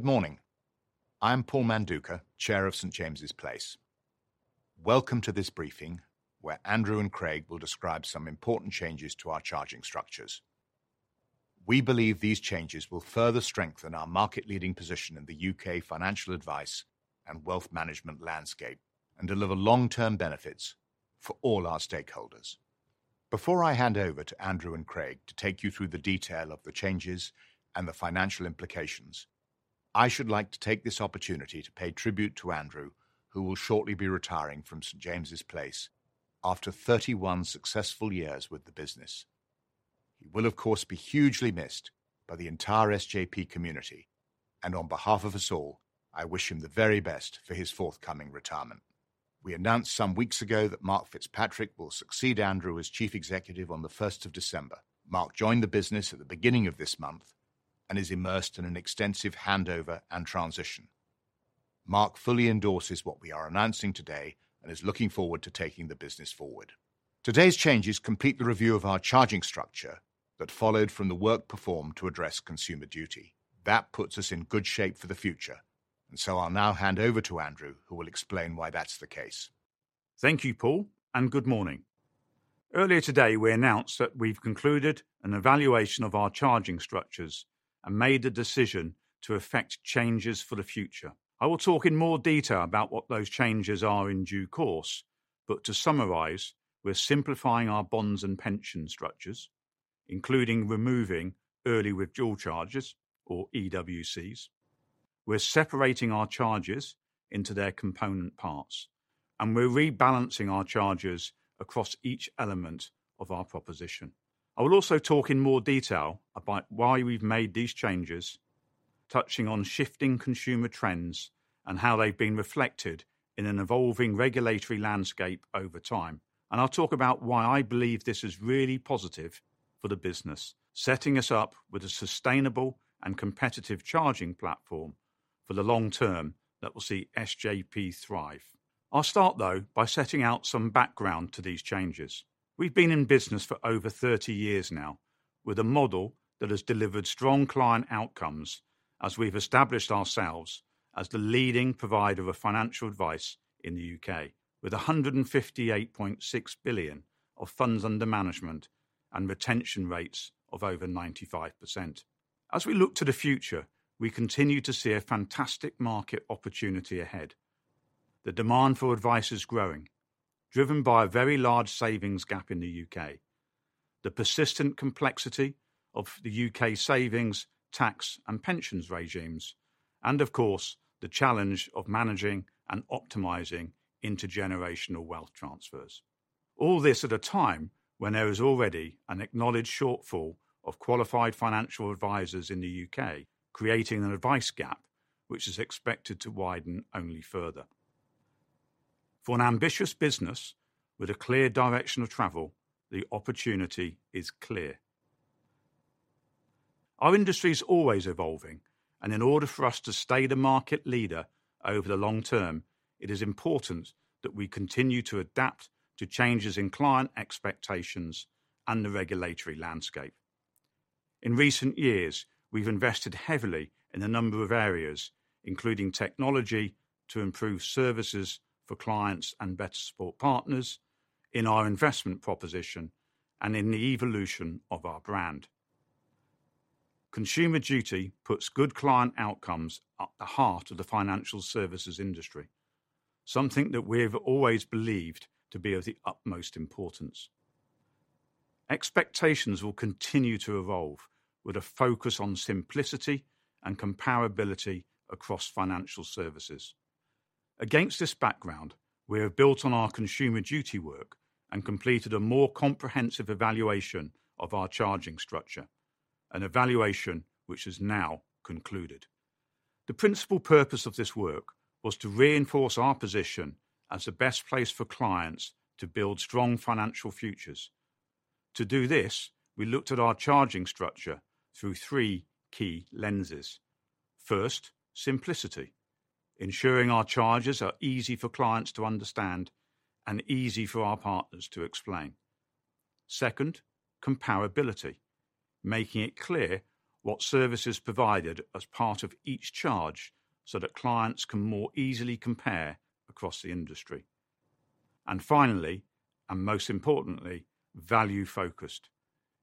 Good morning! I'm Paul Manduca, Chair of St. James's Place. Welcome to this briefing, where Andrew and Craig will describe some important changes to our charging structures. We believe these changes will further strengthen our market-leading position in the U.K. financial advice and wealth management landscape and deliver long-term benefits for all our stakeholders. Before I hand over to Andrew and Craig to take you through the detail of the changes and the financial implications, I should like to take this opportunity to pay tribute to Andrew, who will shortly be retiring from St. James's Place after 31 successful years with the business. He will, of course, be hugely missed by the entire SJP community, and on behalf of us all, I wish him the very best for his forthcoming retirement. We announced some weeks ago that Mark FitzPatrick will succeed Andrew as Chief Executive on the 1st of December. Mark joined the business at the beginning of this month and is immersed in an extensive handover and transition. Mark fully endorses what we are announcing today and is looking forward to taking the business forward. Today's changes complete the review of our charging structure that followed from the work performed to address Consumer Duty. That puts us in good shape for the future, and so I'll now hand over to Andrew, who will explain why that's the case. Thank you, Paul, and good morning. Earlier today, we announced that we've concluded an evaluation of our charging structures and made a decision to effect changes for the future. I will talk in more detail about what those changes are in due course, but to summarize, we're simplifying our bonds and pension structures, including removing early withdrawal charges or EWCs. We're separating our charges into their component parts, and we're rebalancing our charges across each element of our proposition. I will also talk in more detail about why we've made these changes, touching on shifting consumer trends and how they've been reflected in an evolving regulatory landscape over time. And I'll talk about why I believe this is really positive for the business, setting us up with a sustainable and competitive charging platform for the long term that will see SJP thrive. I'll start, though, by setting out some background to these changes. We've been in business for over 30 years now, with a model that has delivered strong client outcomes as we've established ourselves as the leading provider of financial advice in the U.K., with 158.6 billion of funds under management and retention rates of over 95%. As we look to the future, we continue to see a fantastic market opportunity ahead. The demand for advice is growing, driven by a very large savings gap in the U.K., the persistent complexity of the U.K. savings, tax, and pensions regimes, and of course, the challenge of managing and optimizing intergenerational wealth transfers. All this at a time when there is already an acknowledged shortfall of qualified financial advisors in the U.K., creating an advice gap which is expected to widen only further. For an ambitious business with a clear direction of travel, the opportunity is clear. Our industry is always evolving, and in order for us to stay the market leader over the long term, it is important that we continue to adapt to changes in client expectations and the regulatory landscape. In recent years, we've invested heavily in a number of areas, including technology, to improve services for clients and better support partners in our investment proposition and in the evolution of our brand. Consumer Duty puts good client outcomes at the heart of the financial services industry, something that we've always believed to be of the utmost importance. Expectations will continue to evolve with a focus on simplicity and comparability across financial services. Against this background, we have built on our Consumer Duty work and completed a more comprehensive evaluation of our charging structure, an evaluation which has now concluded. The principal purpose of this work was to reinforce our position as the best place for clients to build strong financial futures. To do this, we looked at our charging structure through three key lenses. First, simplicity: ensuring our charges are easy for clients to understand and easy for our partners to explain. Second, comparability: making it clear what service is provided as part of each charge so that clients can more easily compare across the industry. And finally, and most importantly, value-focused: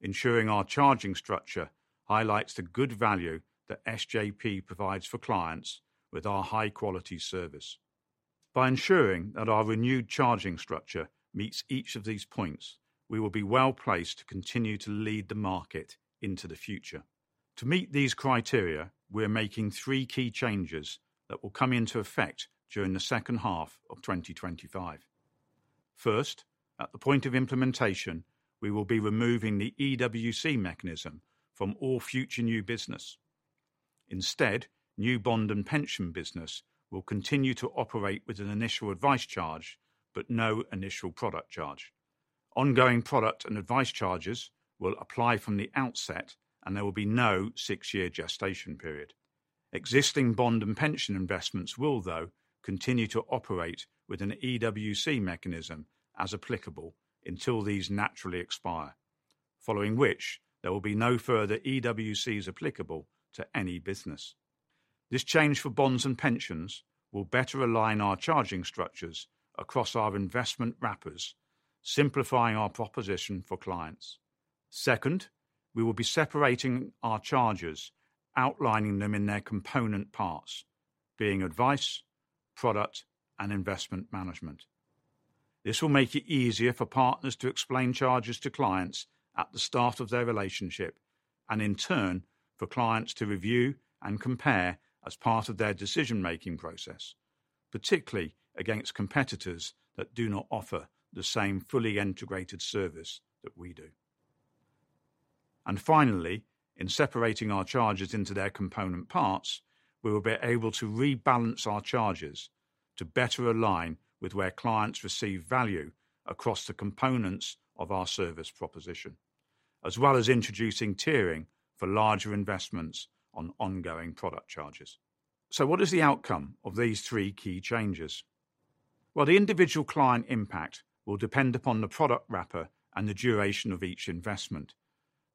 ensuring our charging structure highlights the good value that SJP provides for clients with our high-quality service. By ensuring that our renewed charging structure meets each of these points, we will be well placed to continue to lead the market into the future. To meet these criteria, we're making three key changes that will come into effect during the second half of 2025. First, at the point of implementation, we will be removing the EWC mechanism from all future new business. Instead, new bond and pension business will continue to operate with an initial advice charge but no initial product charge. Ongoing product and advice charges will apply from the outset, and there will be no six-year gestation period. Existing bond and pension investments will, though, continue to operate with an EWC mechanism, as applicable, until these naturally expire... following which there will be no further EWCs applicable to any business. This change for bonds and pensions will better align our charging structures across our investment wrappers, simplifying our proposition for clients. Second, we will be separating our charges, outlining them in their component parts, being advice, product, and investment management. This will make it easier for partners to explain charges to clients at the start of their relationship, and in turn, for clients to review and compare as part of their decision-making process, particularly against competitors that do not offer the same fully integrated service that we do. Finally, in separating our charges into their component parts, we will be able to rebalance our charges to better align with where clients receive value across the components of our service proposition, as well as introducing tiering for larger investments on ongoing product charges. What is the outcome of these three key changes? Well, the individual client impact will depend upon the product wrapper and the duration of each investment.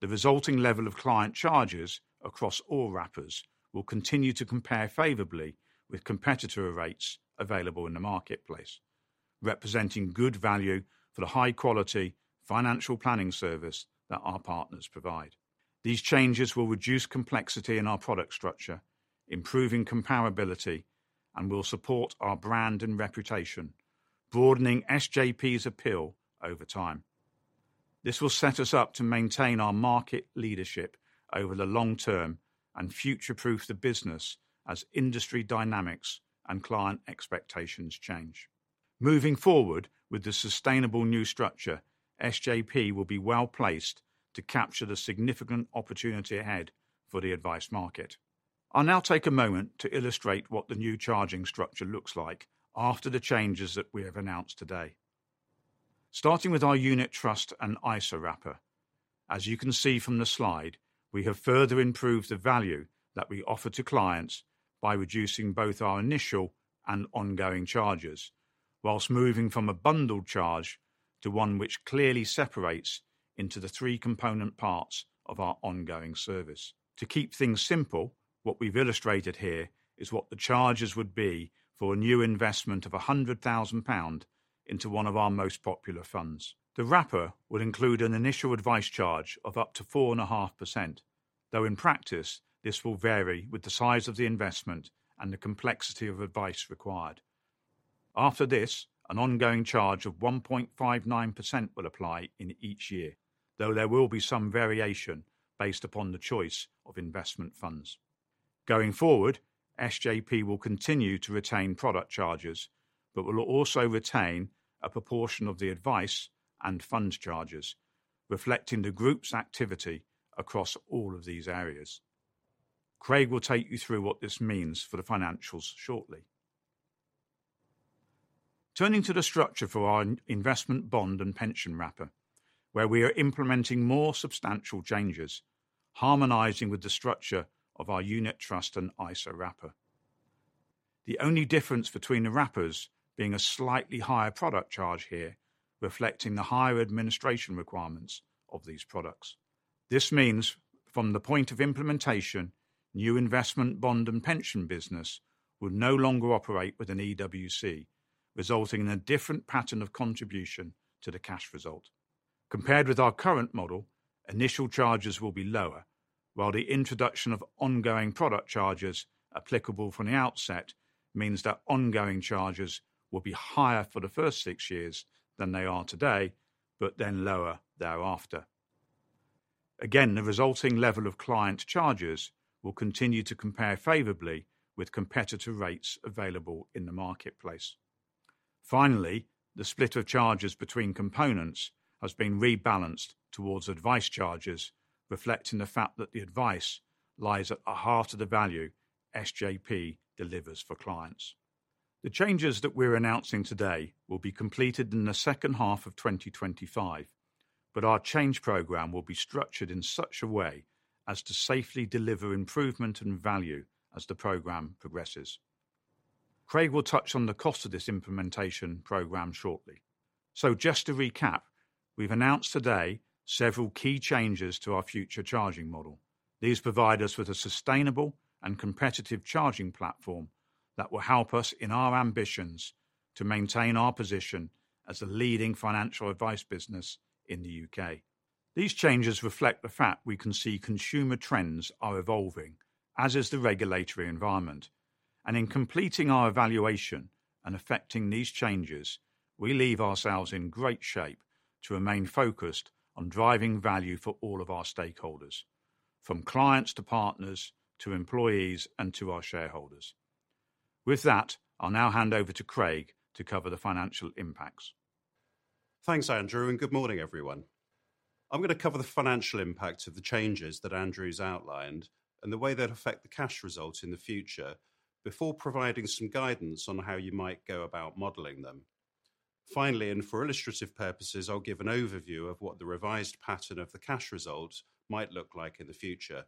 The resulting level of client charges across all wrappers will continue to compare favorably with competitor rates available in the marketplace, representing good value for the high-quality financial planning service that our partners provide. These changes will reduce complexity in our product structure, improving comparability, and will support our brand and reputation, broadening SJP's appeal over time. This will set us up to maintain our market leadership over the long term and future-proof the business as industry dynamics and client expectations change. Moving forward with the sustainable new structure, SJP will be well-placed to capture the significant opportunity ahead for the advice market. I'll now take a moment to illustrate what the new charging structure looks like after the changes that we have announced today. Starting with our unit trust and ISA wrapper, as you can see from the slide, we have further improved the value that we offer to clients by reducing both our initial and ongoing charges, while moving from a bundled charge to one which clearly separates into the three component parts of our ongoing service. To keep things simple, what we've illustrated here is what the charges would be for a new investment of 100,000 pound into one of our most popular funds. The wrapper will include an initial advice charge of up to 4.5%, though in practice, this will vary with the size of the investment and the complexity of advice required. After this, an ongoing charge of 1.59% will apply in each year, though there will be some variation based upon the choice of investment funds. Going forward, SJP will continue to retain product charges, but will also retain a proportion of the advice and funds charges, reflecting the group's activity across all of these areas. Craig will take you through what this means for the financials shortly. Turning to the structure for our investment, bond, and pension wrapper, where we are implementing more substantial changes, harmonizing with the structure of our unit trust and ISA wrapper. The only difference between the wrappers being a slightly higher product charge here, reflecting the higher administration requirements of these products. This means, from the point of implementation, new investment bond and pension business will no longer operate with an EWC, resulting in a different pattern of contribution to the cash result. Compared with our current model, initial charges will be lower, while the introduction of ongoing product charges applicable from the outset means that ongoing charges will be higher for the first six years than they are today, but then lower thereafter. Again, the resulting level of client charges will continue to compare favorably with competitor rates available in the marketplace. Finally, the split of charges between components has been rebalanced towards advice charges, reflecting the fact that the advice lies at the heart of the value SJP delivers for clients. The changes that we're announcing today will be completed in the second half of 2025, but our change program will be structured in such a way as to safely deliver improvement and value as the program progresses. Craig will touch on the cost of this implementation program shortly. So just to recap, we've announced today several key changes to our future charging model. These provide us with a sustainable and competitive charging platform that will help us in our ambitions to maintain our position as a leading financial advice business in the U.K. These changes reflect the fact we can see consumer trends are evolving, as is the regulatory environment, and in completing our evaluation and effecting these changes, we leave ourselves in great shape to remain focused on driving value for all of our stakeholders, from clients, to partners, to employees, and to our shareholders. With that, I'll now hand over to Craig to cover the financial impacts. Thanks, Andrew, and good morning, everyone. I'm going to cover the financial impact of the changes that Andrew's outlined and the way they'd affect the cash results in the future before providing some guidance on how you might go about modeling them. Finally, and for illustrative purposes, I'll give an overview of what the revised pattern of the cash result might look like in the future.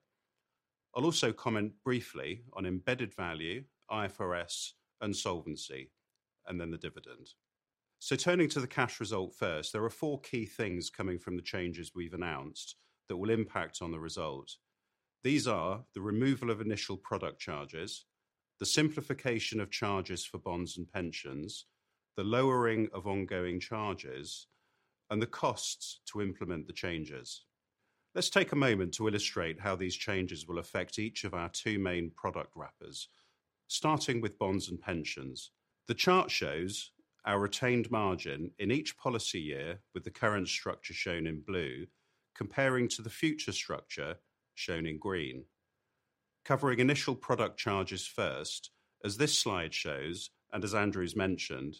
I'll also comment briefly on embedded value, IFRS, and solvency, and then the dividend. So turning to the cash result first, there are four key things coming from the changes we've announced that will impact on the result. These are the removal of initial product charges, the simplification of charges for bonds and pensions, the lowering of ongoing charges, and the costs to implement the changes. Let's take a moment to illustrate how these changes will affect each of our two main product wrappers, starting with bonds and pensions. The chart shows our retained margin in each policy year, with the current structure shown in blue, comparing to the future structure shown in green. Covering initial product charges first, as this slide shows, and as Andrew has mentioned,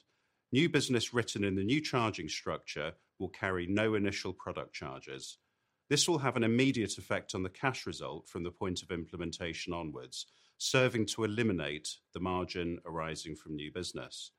new business written in the new charging structure will carry no initial product charges. This will have an immediate effect on the cash result from the point of implementation onwards, serving to eliminate the margin arising from new business.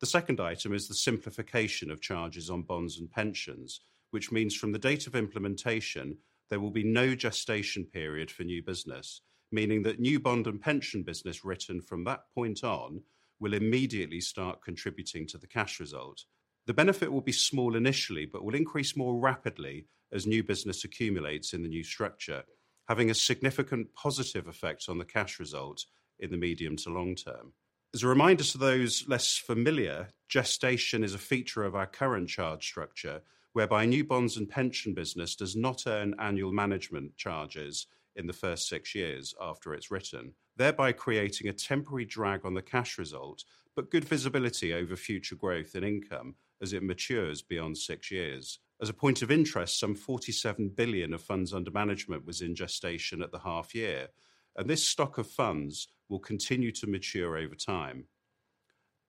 The second item is the simplification of charges on bonds and pensions, which means from the date of implementation, there will be no gestation period for new business, meaning that new bond and pension business written from that point on will immediately start contributing to the cash result. The benefit will be small initially, but will increase more rapidly as new business accumulates in the new structure, having a significant positive effect on the cash result in the medium to long term. As a reminder to those less familiar, gestation is a feature of our current charge structure, whereby new bonds and pension business does not earn annual management charges in the first six years after it's written, thereby creating a temporary drag on the cash result, but good visibility over future growth and income as it matures beyond six years. As a point of interest, some 47 billion of funds under management was in gestation at the half year, and this stock of funds will continue to mature over time.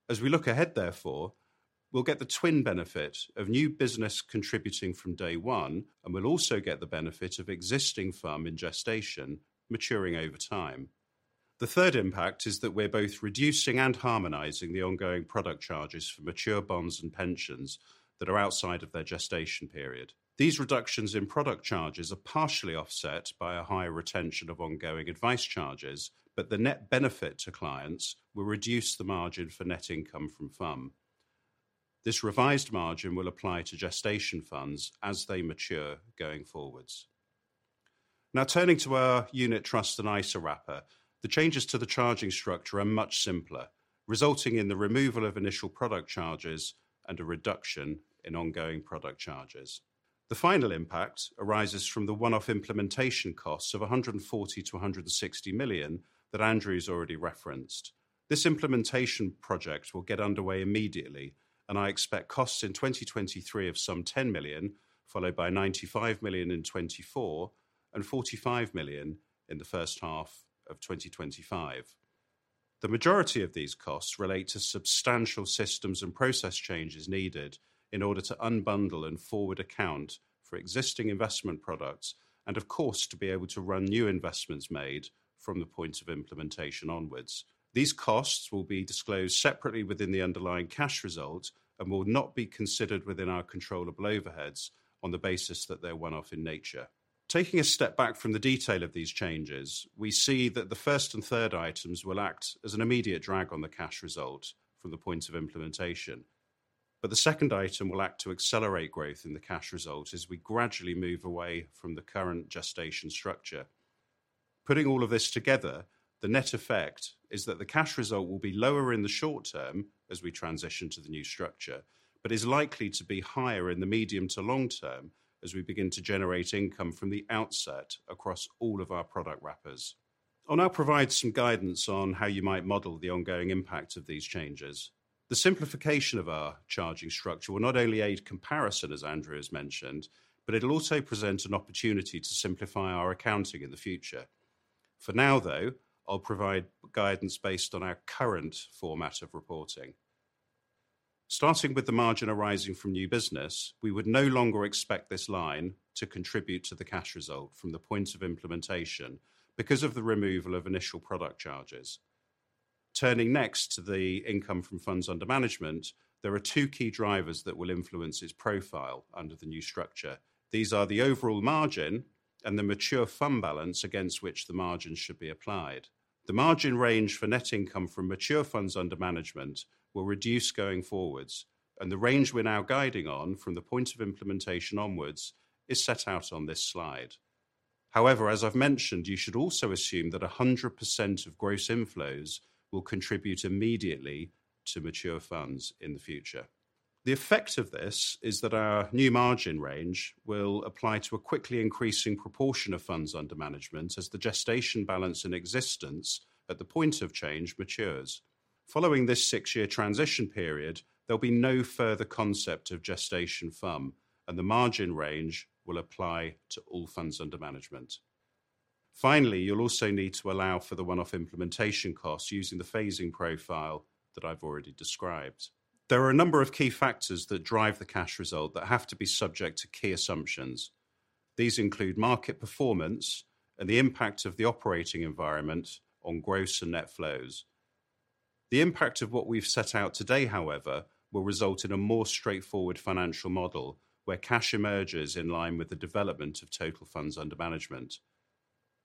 As we look ahead, therefore, we'll get the twin benefit of new business contributing from day one, and we'll also get the benefit of existing FUM in gestation maturing over time. The third impact is that we're both reducing and harmonizing the ongoing product charges for mature bonds and pensions that are outside of their gestation period. These reductions in product charges are partially offset by a higher retention of ongoing advice charges, but the net benefit to clients will reduce the margin for net income from FUM. This revised margin will apply to gestation funds as they mature going forwards. Now, turning to our unit trust and ISA wrapper, the changes to the charging structure are much simpler, resulting in the removal of initial product charges and a reduction in ongoing product charges. The final impact arises from the one-off implementation costs of 140 million-160 million that Andrew has already referenced. This implementation project will get underway immediately, and I expect costs in 2023 of some 10 million, followed by 95 million in 2024, and 45 million in the first half of 2025. The majority of these costs relate to substantial systems and process changes needed in order to unbundle and forward account for existing investment products, and of course, to be able to run new investments made from the point of implementation onwards. These costs will be disclosed separately within the underlying cash result and will not be considered within our controllable overheads on the basis that they're one-off in nature. Taking a step back from the detail of these changes, we see that the first and third items will act as an immediate drag on the cash result from the point of implementation. But the second item will act to accelerate growth in the cash result as we gradually move away from the current gestation structure. Putting all of this together, the net effect is that the cash result will be lower in the short term as we transition to the new structure, but is likely to be higher in the medium to long term as we begin to generate income from the outset across all of our product wrappers. I'll now provide some guidance on how you might model the ongoing impact of these changes. The simplification of our charging structure will not only aid comparison, as Andrew has mentioned, but it'll also present an opportunity to simplify our accounting in the future. For now, though, I'll provide guidance based on our current format of reporting. Starting with the margin arising from new business, we would no longer expect this line to contribute to the cash result from the point of implementation because of the removal of initial product charges. Turning next to the income from funds under management, there are two key drivers that will influence its profile under the new structure. These are the overall margin and the mature FUM balance against which the margin should be applied. The margin range for net income from mature funds under management will reduce going forwards, and the range we're now guiding on from the point of implementation onwards is set out on this slide. However, as I've mentioned, you should also assume that 100% of gross inflows will contribute immediately to mature funds in the future. The effect of this is that our new margin range will apply to a quickly increasing proportion of funds under management as the gestation balance in existence at the point of change matures. Following this six-year transition period, there'll be no further concept of gestation FUM, and the margin range will apply to all funds under management. Finally, you'll also need to allow for the one-off implementation costs using the phasing profile that I've already described. There are a number of key factors that drive the cash result that have to be subject to key assumptions. These include market performance and the impact of the operating environment on gross and net flows. The impact of what we've set out today, however, will result in a more straightforward financial model, where cash emerges in line with the development of total funds under management.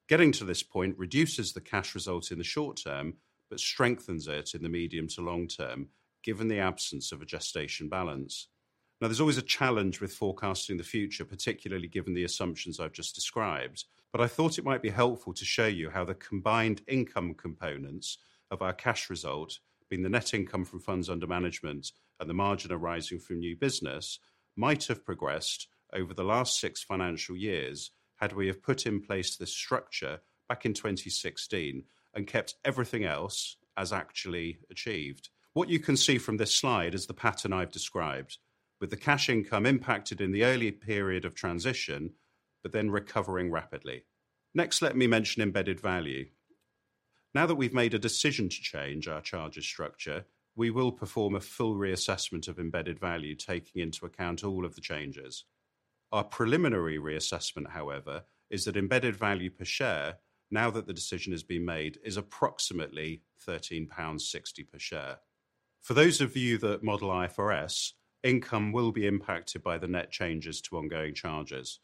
Getting to this point reduces the cash result in the short term, but strengthens it in the medium to long term, given the absence of a gestation balance. Now, there's always a challenge with forecasting the future, particularly given the assumptions I've just described, but I thought it might be helpful to show you how the combined income components of our cash result, being the net income from funds under management and the margin arising from new business, might have progressed over the last six financial years had we have put in place this structure back in 2016 and kept everything else as actually achieved. What you can see from this slide is the pattern I've described, with the cash income impacted in the early period of transition, but then recovering rapidly. Next, let me mention embedded value. Now that we've made a decision to change our charges structure, we will perform a full reassessment of embedded value, taking into account all of the changes. Our preliminary reassessment, however, is that embedded value per share, now that the decision has been made, is approximately 13.60 pounds per share. For those of you that model IFRS, income will be impacted by the net changes to ongoing charges.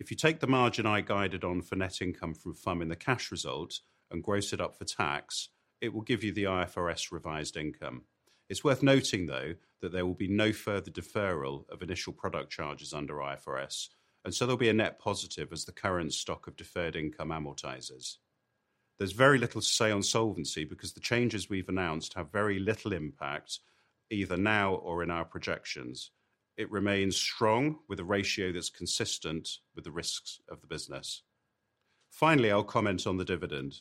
If you take the margin I guided on for net income from FUM in the cash result and gross it up for tax, it will give you the IFRS revised income. It's worth noting, though, that there will be no further deferral of initial product charges under IFRS, and so there'll be a net positive as the current stock of deferred income amortizes. There's very little to say on solvency because the changes we've announced have very little impact, either now or in our projections. It remains strong, with a ratio that's consistent with the risks of the business. Finally, I'll comment on the dividend.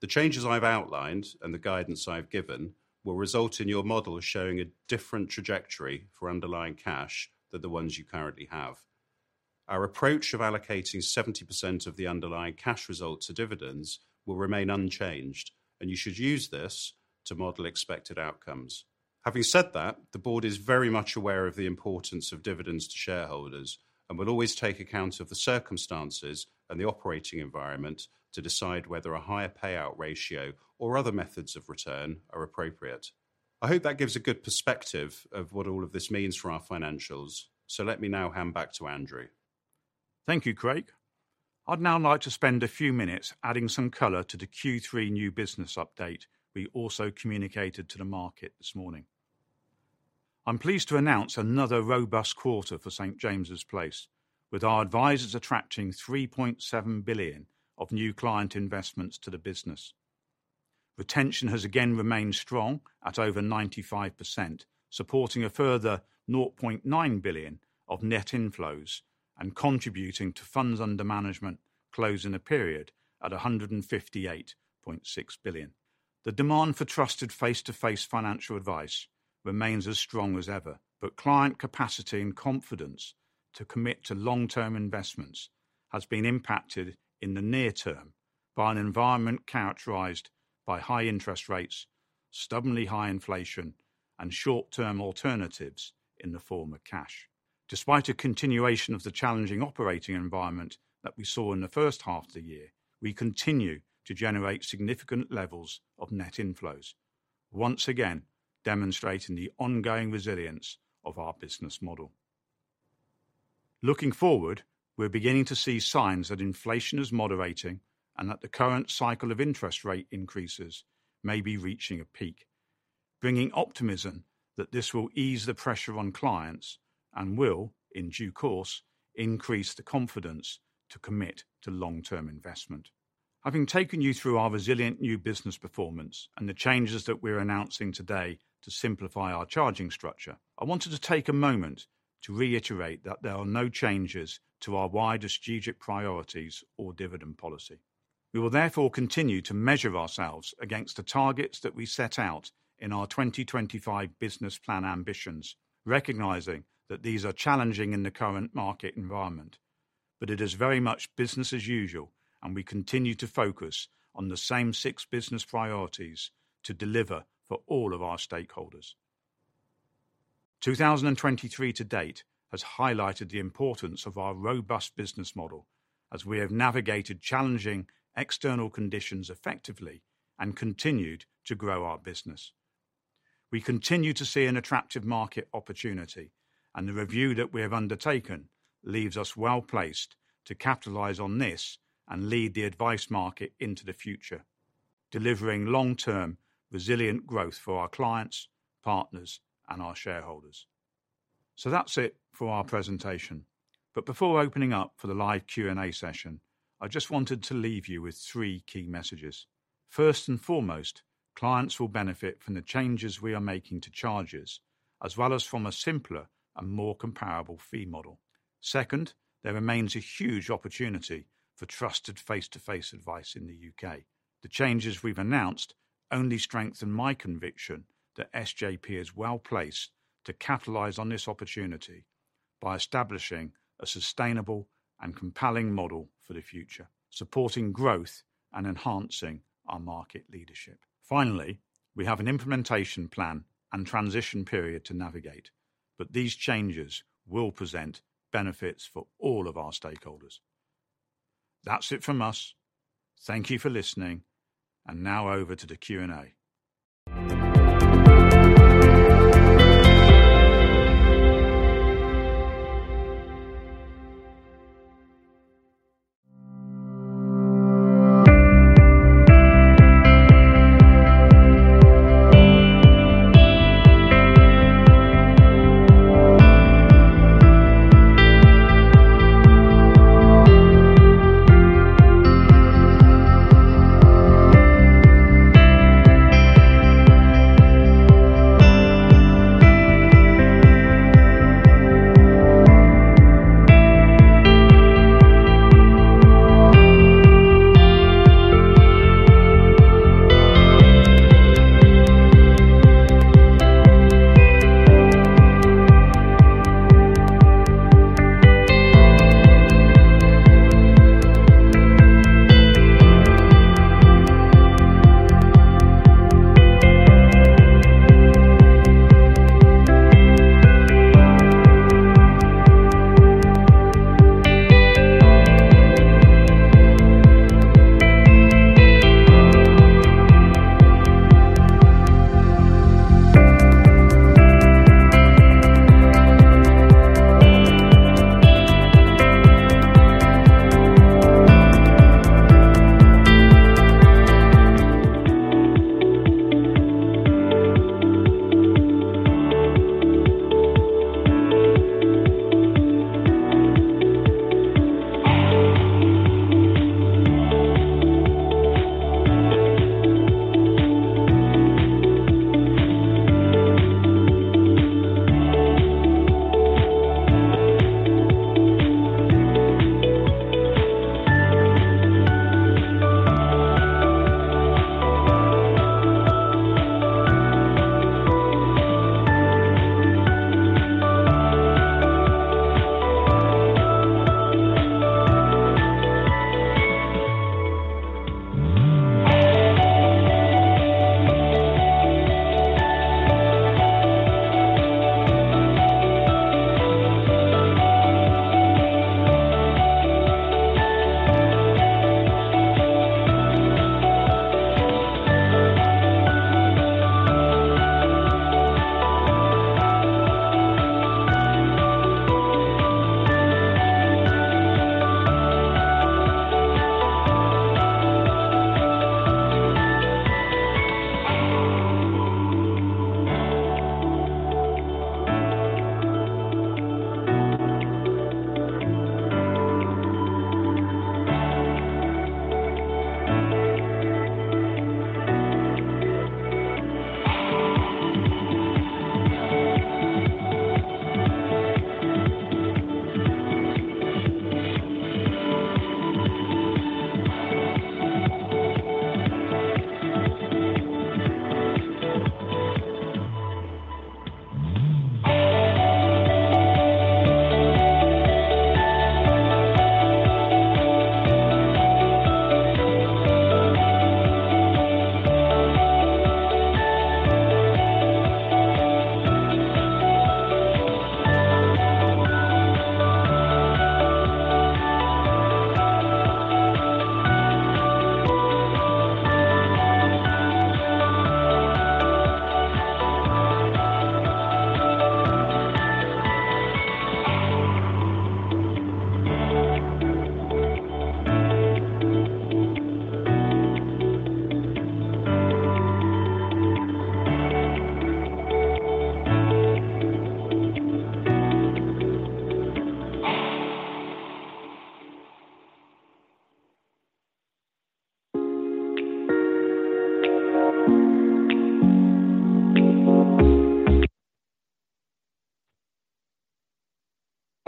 The changes I've outlined and the guidance I've given will result in your model showing a different trajectory for underlying cash than the ones you currently have. Our approach of allocating 70% of the underlying cash result to dividends will remain unchanged, and you should use this to model expected outcomes. Having said that, the Board is very much aware of the importance of dividends to shareholders and will always take account of the circumstances and the operating environment to decide whether a higher payout ratio or other methods of return are appropriate. I hope that gives a good perspective of what all of this means for our financials. Let me now hand back to Andrew. Thank you, Craig. I'd now like to spend a few minutes adding some color to the Q3 new business update we also communicated to the market this morning. I'm pleased to announce another robust quarter for St. James's Place, with our advisors attracting 3.7 billion of new client investments to the business. Retention has again remained strong at over 95%, supporting a further 0.9 billion of net inflows and contributing to funds under management closing the period at 158.6 billion. The demand for trusted face-to-face financial advice remains as strong as ever, but client capacity and confidence to commit to long-term investments has been impacted in the near term by an environment characterized by high interest rates, stubbornly high inflation, and short-term alternatives in the form of cash. Despite a continuation of the challenging operating environment that we saw in the first half of the year, we continue to generate significant levels of net inflows, once again demonstrating the ongoing resilience of our business model. Looking forward, we're beginning to see signs that inflation is moderating and that the current cycle of interest rate increases may be reaching a peak, bringing optimism that this will ease the pressure on clients and will, in due course, increase the confidence to commit to long-term investment. Having taken you through our resilient new business performance and the changes that we're announcing today to simplify our charging structure, I wanted to take a moment to reiterate that there are no changes to our wider strategic priorities or dividend policy. We will therefore continue to measure ourselves against the targets that we set out in our 2025 business plan ambitions, recognizing that these are challenging in the current market environment. But it is very much business as usual, and we continue to focus on the same six business priorities to deliver for all of our stakeholders. 2023 to date has highlighted the importance of our robust business model as we have navigated challenging external conditions effectively and continued to grow our business. We continue to see an attractive market opportunity, and the review that we have undertaken leaves us well-placed to capitalize on this and lead the advice market into the future, delivering long-term, resilient growth for our clients, partners, and our shareholders. So that's it for our presentation. But before opening up for the live Q&A session, I just wanted to leave you with three key messages. First and foremost, clients will benefit from the changes we are making to charges, as well as from a simpler and more comparable fee model. Second, there remains a huge opportunity for trusted face-to-face advice in the U.K. The changes we've announced only strengthen my conviction that SJP is well-placed to capitalize on this opportunity by establishing a sustainable and compelling model for the future, supporting growth and enhancing our market leadership. Finally, we have an implementation plan and transition period to navigate, but these changes will present benefits for all of our stakeholders. That's it from us. Thank you for listening, and now over to the Q&A.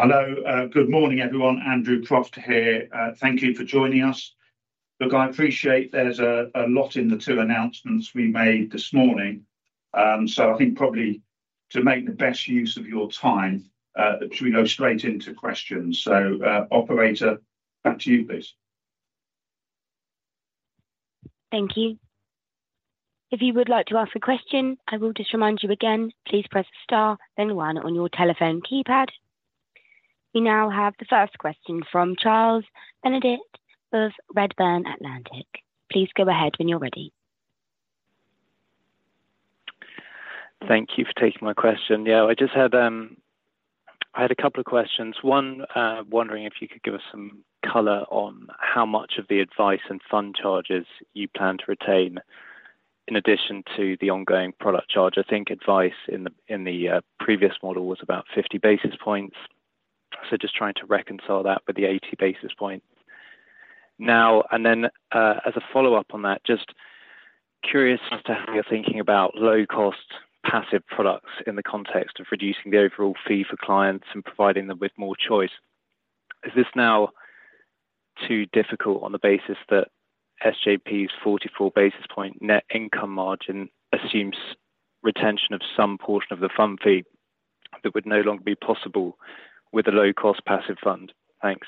Hello, good morning, everyone. Andrew Croft here. Thank you for joining us. Look, I appreciate there's a lot in the two announcements we made this morning. So I think probably to make the best use of your time, should we go straight into questions? So, operator, back to you, please. Thank you. If you would like to ask a question, I will just remind you again, please press Star, then One on your telephone keypad. We now have the first question from Charles Bendit of Redburn Atlantic. Please go ahead when you're ready. Thank you for taking my question. Yeah, I just had a couple of questions. One, wondering if you could give us some color on how much of the advice and fund charges you plan to retain in addition to the ongoing product charge. I think advice in the previous model was about 50 basis points, so just trying to reconcile that with the 80 basis points now. And then, as a follow-up on that, just curious as to how you're thinking about low-cost passive products in the context of reducing the overall fee for clients and providing them with more choice. Is this now too difficult on the basis that SJP's 44 basis point net income margin assumes retention of some portion of the fund fee that would no longer be possible with a low-cost passive fund? Thanks.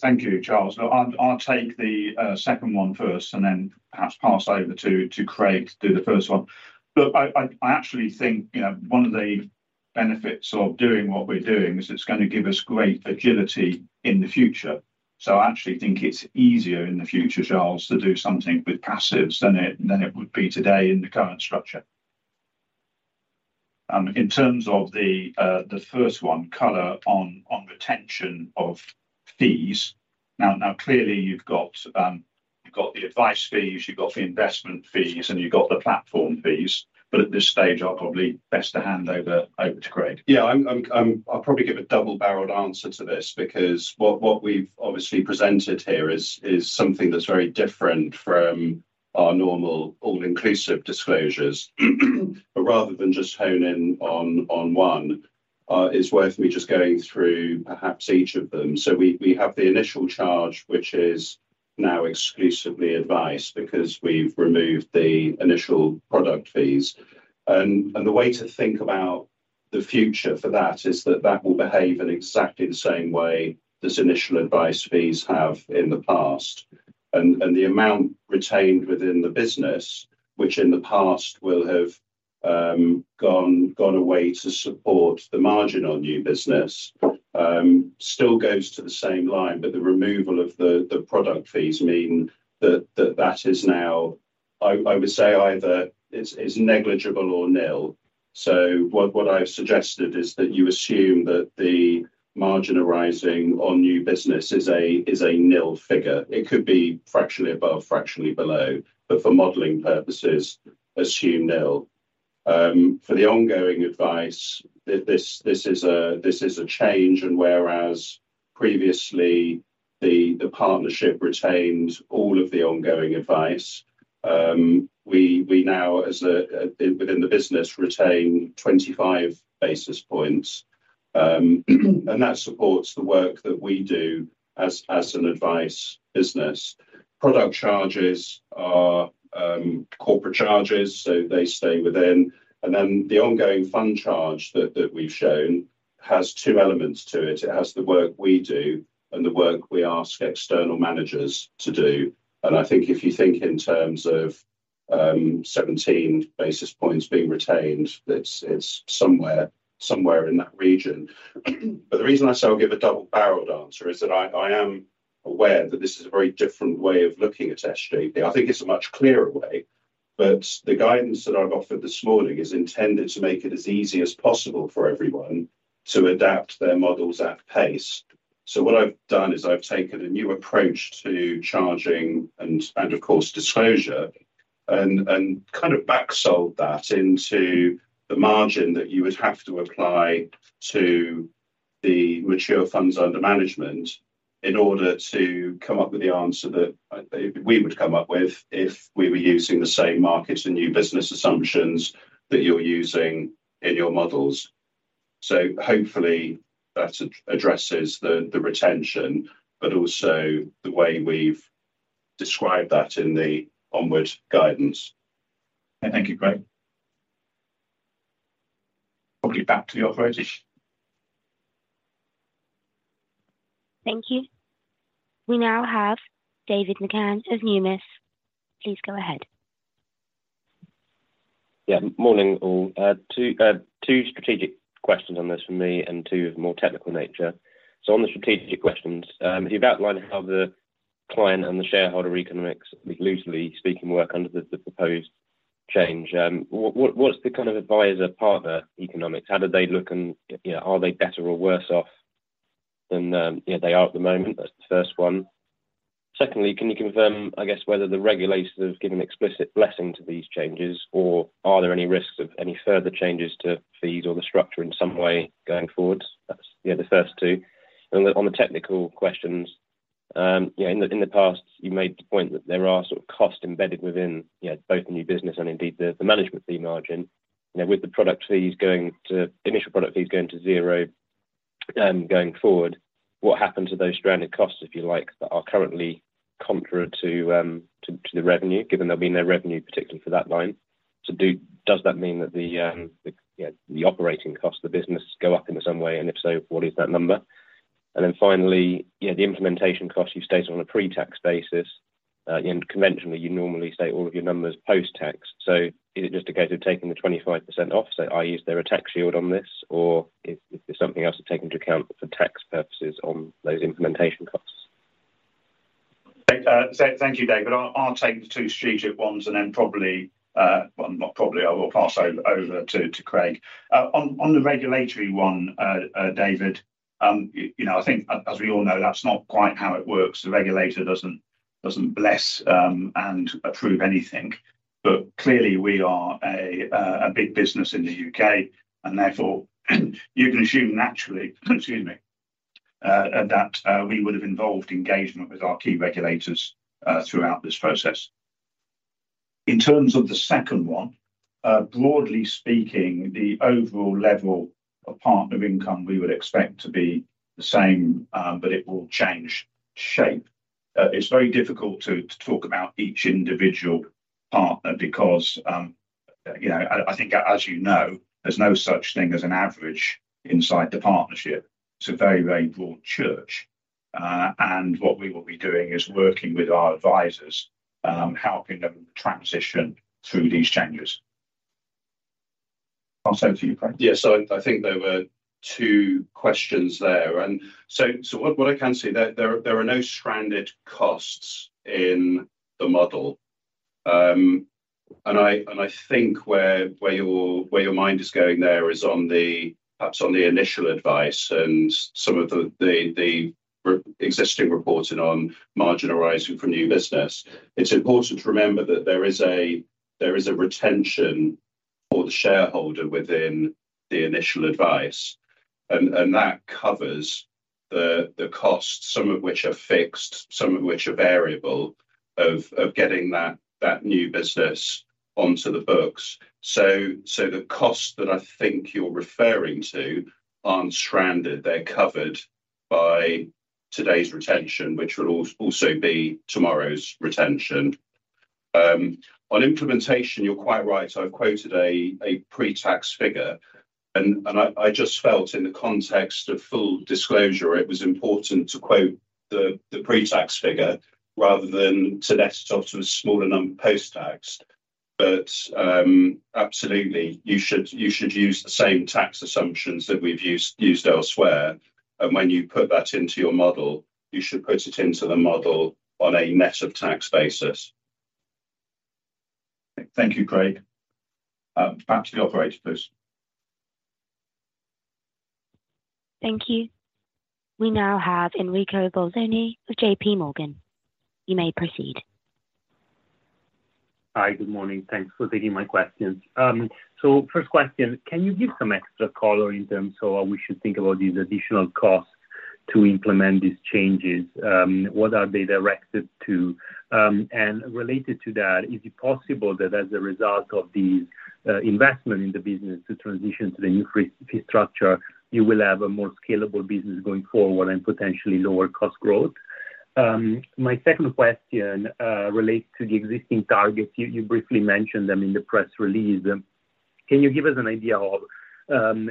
Thank you, Charles. Now, I'll take the second one first, and then perhaps pass over to Craig to do the first one. Look, I actually think, you know, one of the benefits of doing what we're doing is it's gonna give us great agility in the future. So I actually think it's easier in the future, Charles, to do something with passives than it would be today in the current structure. In terms of the first one, color on retention of fees. Now, clearly, you've got the advice fees, you've got the investment fees, and you've got the platform fees, but at this stage, I'll probably best to hand over to Craig. Yeah, I'm-- I'll probably give a double-barreled answer to this because what we've obviously presented here is something that's very different from our normal all-inclusive disclosures. But rather than just hone in on one, it's worth me just going through perhaps each of them. So we have the initial charge, which is now exclusively advice, because we've removed the initial product fees. And the way to think about the future for that is that that will behave in exactly the same way as initial advice fees have in the past. And the amount retained within the business, which in the past will have gone away to support the margin on new business, still goes to the same line, but the removal of the product fees mean that that is now, I would say either it's negligible or nil. So what I've suggested is that you assume that the margin arising on new business is a nil figure. It could be fractionally above, fractionally below, but for modeling purposes, assume nil. For the ongoing advice, this is a change, and whereas previously, the partnership retained all of the ongoing advice, we now, within the business, retain 25 basis points, and that supports the work that we do as an advice business. Product charges are corporate charges, so they stay within. And then the ongoing fund charge that, that we've shown has two elements to it. It has the work we do and the work we ask external managers to do. And I think if you think in terms of 17 basis points being retained, it's, it's somewhere, somewhere in that region. But the reason I say I'll give a double-barreled answer is that I, I am aware that this is a very different way of looking at SJP. I think it's a much clearer way, but the guidance that I've offered this morning is intended to make it as easy as possible for everyone to adapt their models at pace. So what I've done is I've taken a new approach to charging and, and of course, disclosure, and, and kind of back sold that into the margin that you would have to apply to the mature funds under management in order to come up with the answer that we would come up with if we were using the same markets and new business assumptions that you're using in your models. So hopefully, that addresses the, the retention, but also the way we've described that in the onward guidance. Thank you, Craig. Back to you operator. Thank you. We now have David McCann of Numis. Please go ahead. Yeah, morning, all. Two, two strategic questions on this from me and two of a more technical nature. So on the strategic questions, you've outlined how the client and the shareholder economics, loosely speaking, work under the proposed change. What, what's the kind of advisor-partner economics? How do they look, and, you know, are they better or worse off than they are at the moment? That's the first one. Secondly, can you confirm, I guess, whether the regulators have given explicit blessing to these changes, or are there any risks of any further changes to fees or the structure in some way going forward? That's the first two. And on the technical questions, you know, in the past, you made the point that there are sort of costs embedded within, you know, both the new business and indeed, the management fee margin. You know, with the product fees going to initial product fees going to zero, going forward, what happened to those stranded costs, if you like, that are currently contra to the revenue, given they'll be in their revenue, particularly for that line? So does that mean that the yeah, the operating costs of the business go up in some way, and if so, what is that number? And then finally, yeah, the implementation cost, you've stated on a pre-tax basis, and conventionally, you normally state all of your numbers post-tax. Is it just a case of taking the 25% off, so, is there a tax shield on this, or is there something else to take into account for tax purposes on those implementation costs? So thank you, David. I'll take the two strategic ones and then, well, not probably, I will pass over to Craig. On the regulatory one, David, you know, I think as we all know, that's not quite how it works. The regulator doesn't bless and approve anything, but clearly, we are a big business in the U.K., and therefore, you can assume naturally, excuse me, that we would have involved engagement with our key regulators throughout this process. In terms of the second one, broadly speaking, the overall level of partner income we would expect to be the same, but it will change shape. It's very difficult to talk about each individual partner because, you know, I think as you know, there's no such thing as an average inside the partnership. It's a very, very broad church. And what we will be doing is working with our advisors, helping them transition through these changes. I'll send to you, Craig. Yeah, so I think there were two questions there. So what I can say, there are no stranded costs in the model. And I think where your mind is going there is on perhaps the initial advice and some of the pre-existing reporting on margin arising from new business. It's important to remember that there is a retention for the shareholder within the initial advice, and that covers the costs, some of which are fixed, some of which are variable, of getting that new business onto the books. So the cost that I think you're referring to aren't stranded, they're covered by today's retention, which will also be tomorrow's retention. On implementation, you're quite right. I've quoted a pre-tax figure, and I just felt in the context of full disclosure, it was important to quote the pre-tax figure rather than to net it off to a smaller number post-tax. But absolutely, you should use the same tax assumptions that we've used elsewhere, and when you put that into your model, you should put it into the model on a net of tax basis. Thank you, Craig. Back to the operator, please. Thank you. We now have Enrico Bolzoni with JPMorgan. You may proceed. Hi, good morning. Thanks for taking my questions. So first question, can you give some extra color in terms of how we should think about these additional costs to implement these changes? What are they directed to? And related to that, is it possible that as a result of the investment in the business to transition to the new fee, fee structure, you will have a more scalable business going forward and potentially lower cost growth? My second question relates to the existing targets. You briefly mentioned them in the press release. Can you give us an idea of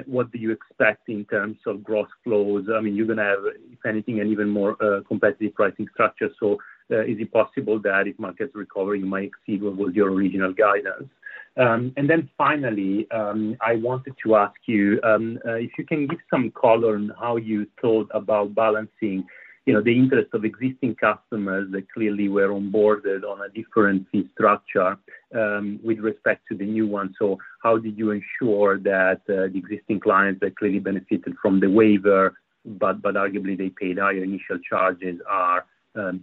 what do you expect in terms of gross flows? I mean, you're going to have, if anything, an even more competitive pricing structure, so is it possible that if markets recover, you might exceed what was your original guidance? And then finally, I wanted to ask you, if you can give some color on how you thought about balancing, you know, the interest of existing customers that clearly were onboarded on a different fee structure, with respect to the new one. So how did you ensure that, the existing clients that clearly benefited from the waiver, but arguably they paid higher initial charges, are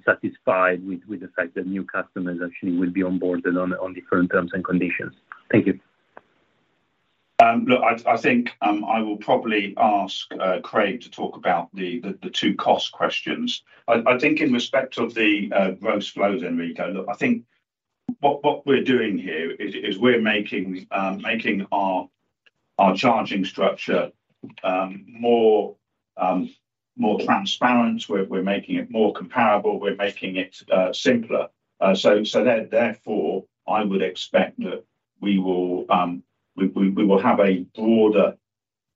satisfied with, with the fact that new customers actually will be onboarded on different terms and conditions? Thank you. Look, I think I will probably ask Craig to talk about the two cost questions. I think in respect of the gross flows, Enrico, look, I think what we're doing here is we're making our charging structure more transparent. We're making it more comparable, we're making it simpler. Therefore, I would expect that we will have a broader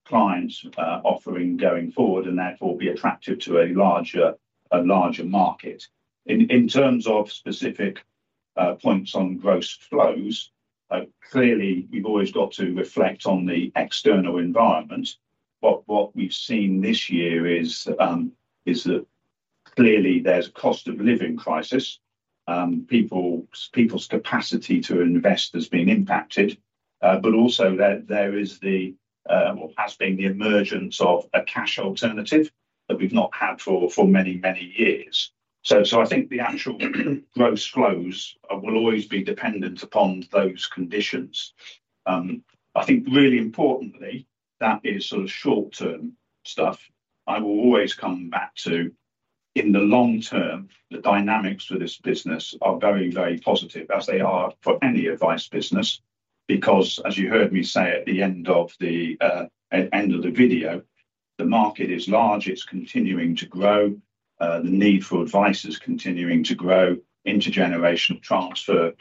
client offering going forward, and therefore be attractive to a larger market. In terms of specific points on gross flows, clearly we've always got to reflect on the external environment, but what we've seen this year is that clearly there's a cost-of-living crisis. People's capacity to invest has been impacted, but also there is the, or has been the emergence of a cash alternative that we've not had for many, many years. So I think the actual gross flows will always be dependent upon those conditions. I think really importantly, that is sort of short-term stuff. I will always come back to, in the long term, the dynamics for this business are very, very positive, as they are for any advice business, because as you heard me say at the end of the video, the market is large, it's continuing to grow. The need for advice is continuing to grow, intergenerational transfer,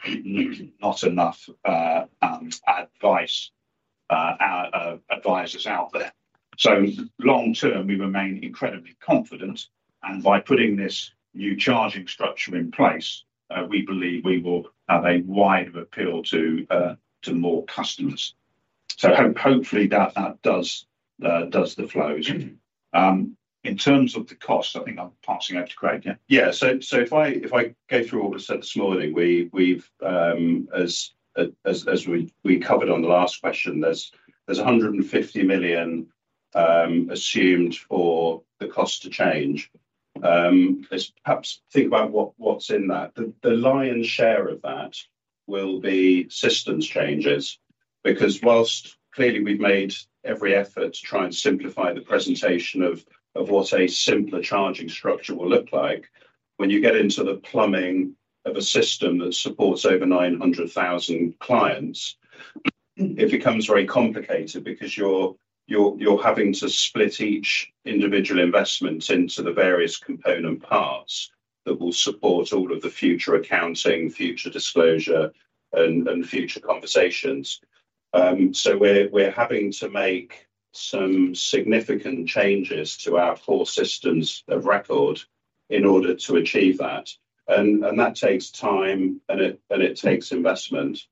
not enough advice, advisors out there. So long term, we remain incredibly confident, and by putting this new charging structure in place, we believe we will have a wider appeal to more customers. So hopefully, that does the flows. In terms of the cost, I think I'm passing over to Craig. Yeah. Yeah. So if I go through what I said this morning, as we covered on the last question, there's 150 million assumed for the cost to change. Let's perhaps think about what's in that. The lion's share of that will be systems changes, because while clearly we've made every effort to try and simplify the presentation of what a simpler charging structure will look like, when you get into the plumbing of a system that supports over 900,000 clients, it becomes very complicated because you're having to split each individual investment into the various component parts that will support all of the future accounting, future disclosure, and future conversations. So we're having to make some significant changes to our core systems of record in order to achieve that. And that takes time, and it takes investment.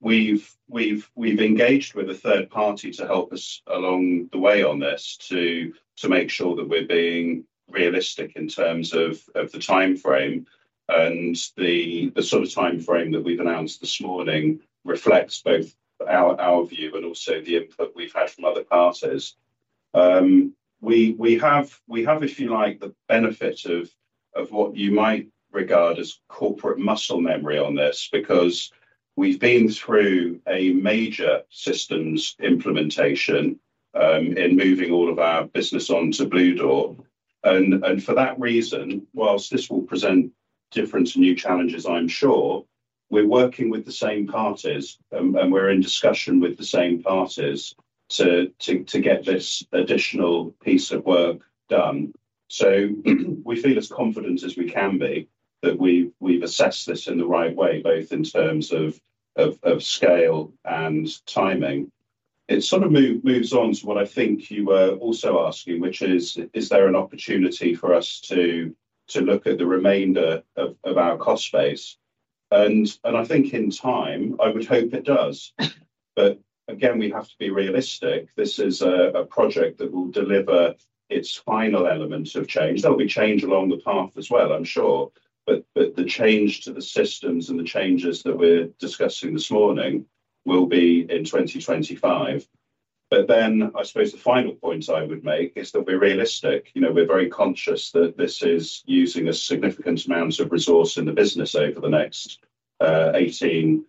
We've engaged with a third party to help us along the way on this to make sure that we're being realistic in terms of the timeframe. And the sort of timeframe that we've announced this morning reflects both our view, but also the input we've had from other parties. We have, if you like, the benefit of what you might regard as corporate muscle memory on this because we've been through a major systems implementation in moving all of our business onto Bluedoor. And for that reason, while this will present different and new challenges, I'm sure, we're working with the same parties, and we're in discussion with the same parties to get this additional piece of work done. So we feel as confident as we can be that we've assessed this in the right way, both in terms of scale and timing. It sort of moves on to what I think you were also asking, which is: is there an opportunity for us to look at the remainder of our cost base? And I think in time, I would hope it does. But again, we have to be realistic. This is a project that will deliver its final elements of change. There'll be change along the path as well, I'm sure, but the change to the systems and the changes that we're discussing this morning will be in 2025. But then I suppose the final point I would make is that we're realistic. You know, we're very conscious that this is using a significant amount of resource in the business over the next 18-20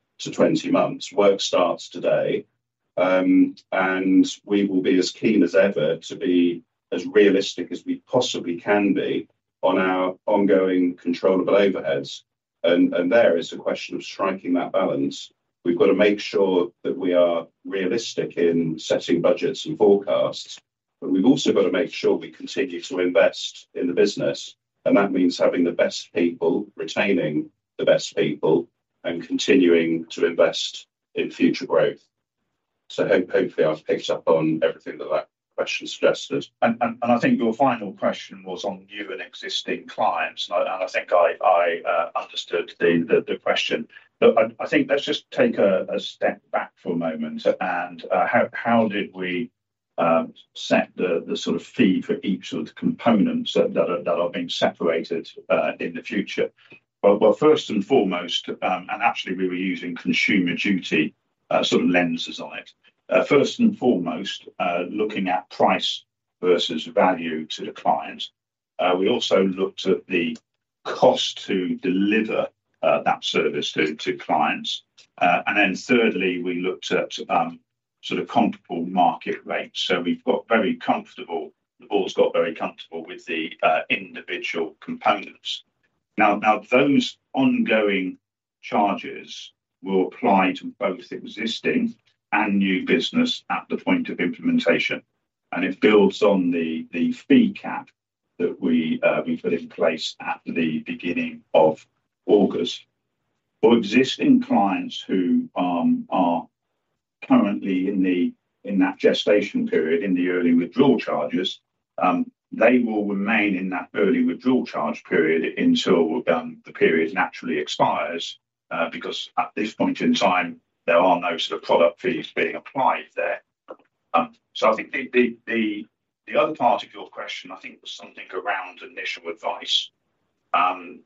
months. Work starts today, and we will be as keen as ever to be as realistic as we possibly can be on our ongoing controllable overheads. And there is a question of striking that balance. We've got to make sure that we are realistic in setting budgets and forecasts, but we've also got to make sure we continue to invest in the business, and that means having the best people, retaining the best people, and continuing to invest in future growth. So hopefully, I've picked up on everything that that question suggested. And I think your final question was on new and existing clients, and I think I understood the question. But I think let's just take a step back for a moment and how did we set the sort of fee for each of the components that are being separated in the future? Well, first and foremost, actually, we were using Consumer Duty sort of lenses on it. First and foremost, looking at price versus value to the client. We also looked at the cost to deliver that service to clients. And then thirdly, we looked at sort of comparable market rates. So we've got very comfortable, the Board's got very comfortable with the individual components. Now, those ongoing charges will apply to both existing and new business at the point of implementation, and it builds on the fee cap that we put in place at the beginning of August. For existing clients who are currently in that gestation period, in the early withdrawal charges, they will remain in that early withdrawal charge period until the period naturally expires. Because at this point in time, there are no sort of product fees being applied there. So I think the other part of your question, I think, was something around initial advice. And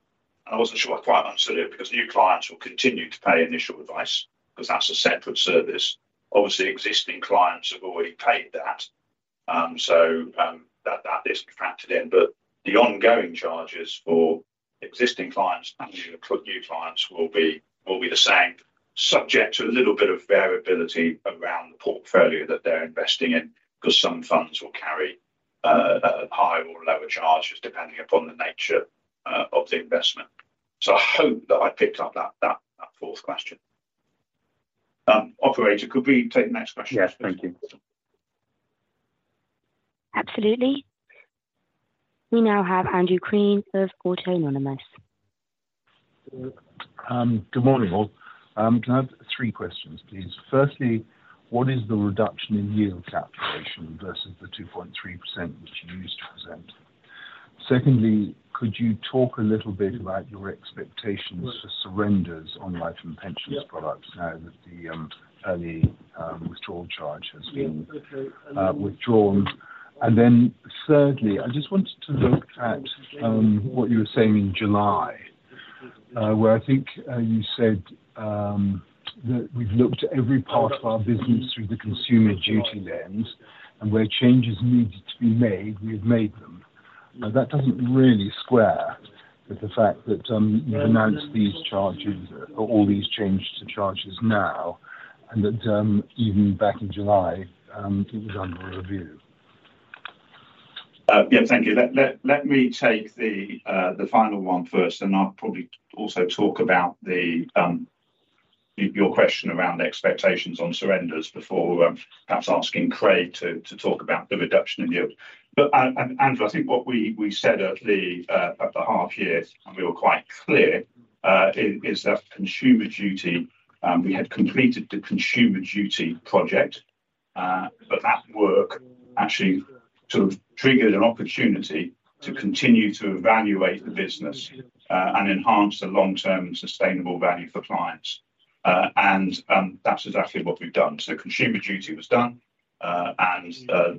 I wasn't sure I quite answered it, because new clients will continue to pay initial advice, 'cause that's a separate service. Obviously, existing clients have already paid that, so that is factored in. But the ongoing charges for existing clients and for new clients will be the same, subject to a little bit of variability around the portfolio that they're investing in, 'cause some funds will carry a higher or lower charge just depending upon the nature of the investment. So I hope that I picked up that fourth question. Operator, could we take the next question? Yes, thank you. Absolutely. We now have Andrew Crean from Autonomous. Good morning, all. Can I have three questions, please? Firstly, what is the reduction in yield calculation versus the 2.3%, which you used to present? Secondly, could you talk a little bit about your expectations for surrenders on life and pensions- Yep. - products now that the early withdrawal charge has been withdrawn? And then thirdly, I just wanted to look at what you were saying in July, where I think you said that we've looked at every part of our business through the Consumer Duty lens, and where changes needed to be made, we've made them. Now, that doesn't really square with the fact that you've announced these charges, or all these changes to charges now, and that even back in July it was under review. Yeah. Thank you. Let me take the final one first, and I'll probably also talk about your question around expectations on surrenders before perhaps asking Craig to talk about the Reduction in Yield. But, Andrew, I think what we said at the half year, and we were quite clear, is that Consumer Duty, we had completed the Consumer Duty project. But that work actually sort of triggered an opportunity to continue to evaluate the business, and enhance the long-term sustainable value for clients. And, that's exactly what we've done. So Consumer Duty was done, and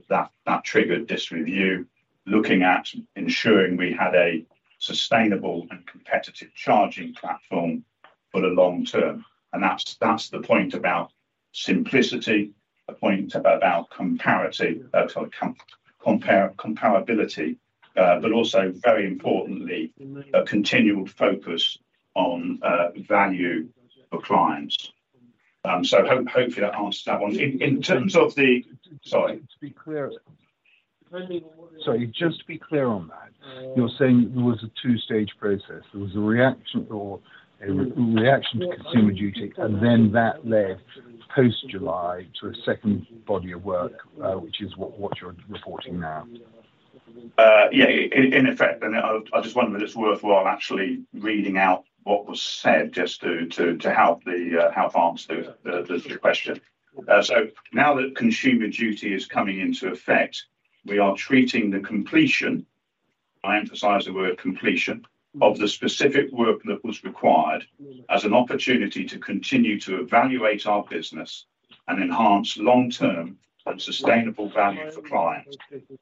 that triggered this review, looking at ensuring we had a sustainable and competitive charging platform for the long term. And that's the point about simplicity, the point about comparability, but also, very importantly, a continual focus on value for clients. Hopefully, that answers that one. In terms of the... Sorry. To be clear. Sorry, just to be clear on that, you're saying there was a two-stage process. There was a reaction to Consumer Duty, and then that led, post-July, to a second body of work, which is what you're reporting now. Yeah, in effect, and I just wonder if it's worthwhile actually reading out what was said just to help answer the question. So now that Consumer Duty is coming into effect, we are treating the completion, I emphasize the word completion, of the specific work that was required as an opportunity to continue to evaluate our business and enhance long-term and sustainable value for clients,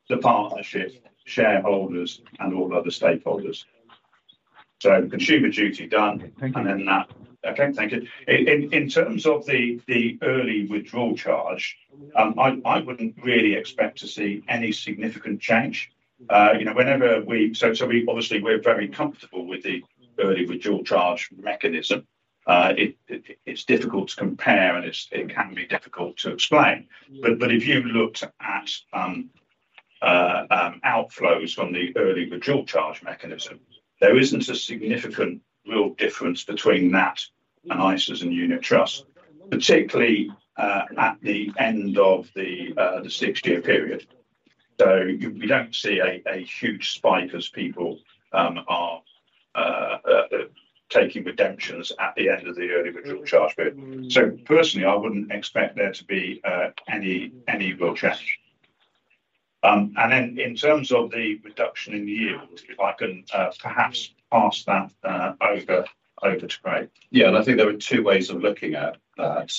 the partnership, shareholders, and all other stakeholders. So Consumer Duty done- Thank you. - and then that. Okay, thank you. In terms of the early withdrawal charge, I wouldn't really expect to see any significant change. You know, whenever we-- so we, obviously, we're very comfortable with the early withdrawal charge mechanism. It's difficult to compare, and it can be difficult to explain. But if you looked at outflows from the early withdrawal charge mechanism, there isn't a significant real difference between that and ISAs and unit trust, particularly at the end of the six-year period. So we don't see a huge spike as people are taking redemptions at the end of the early withdrawal charge period. So personally, I wouldn't expect there to be any real change. And then in terms of the Reduction in Yield, if I can perhaps pass that over, over to Craig. Yeah, and I think there are two ways of looking at that.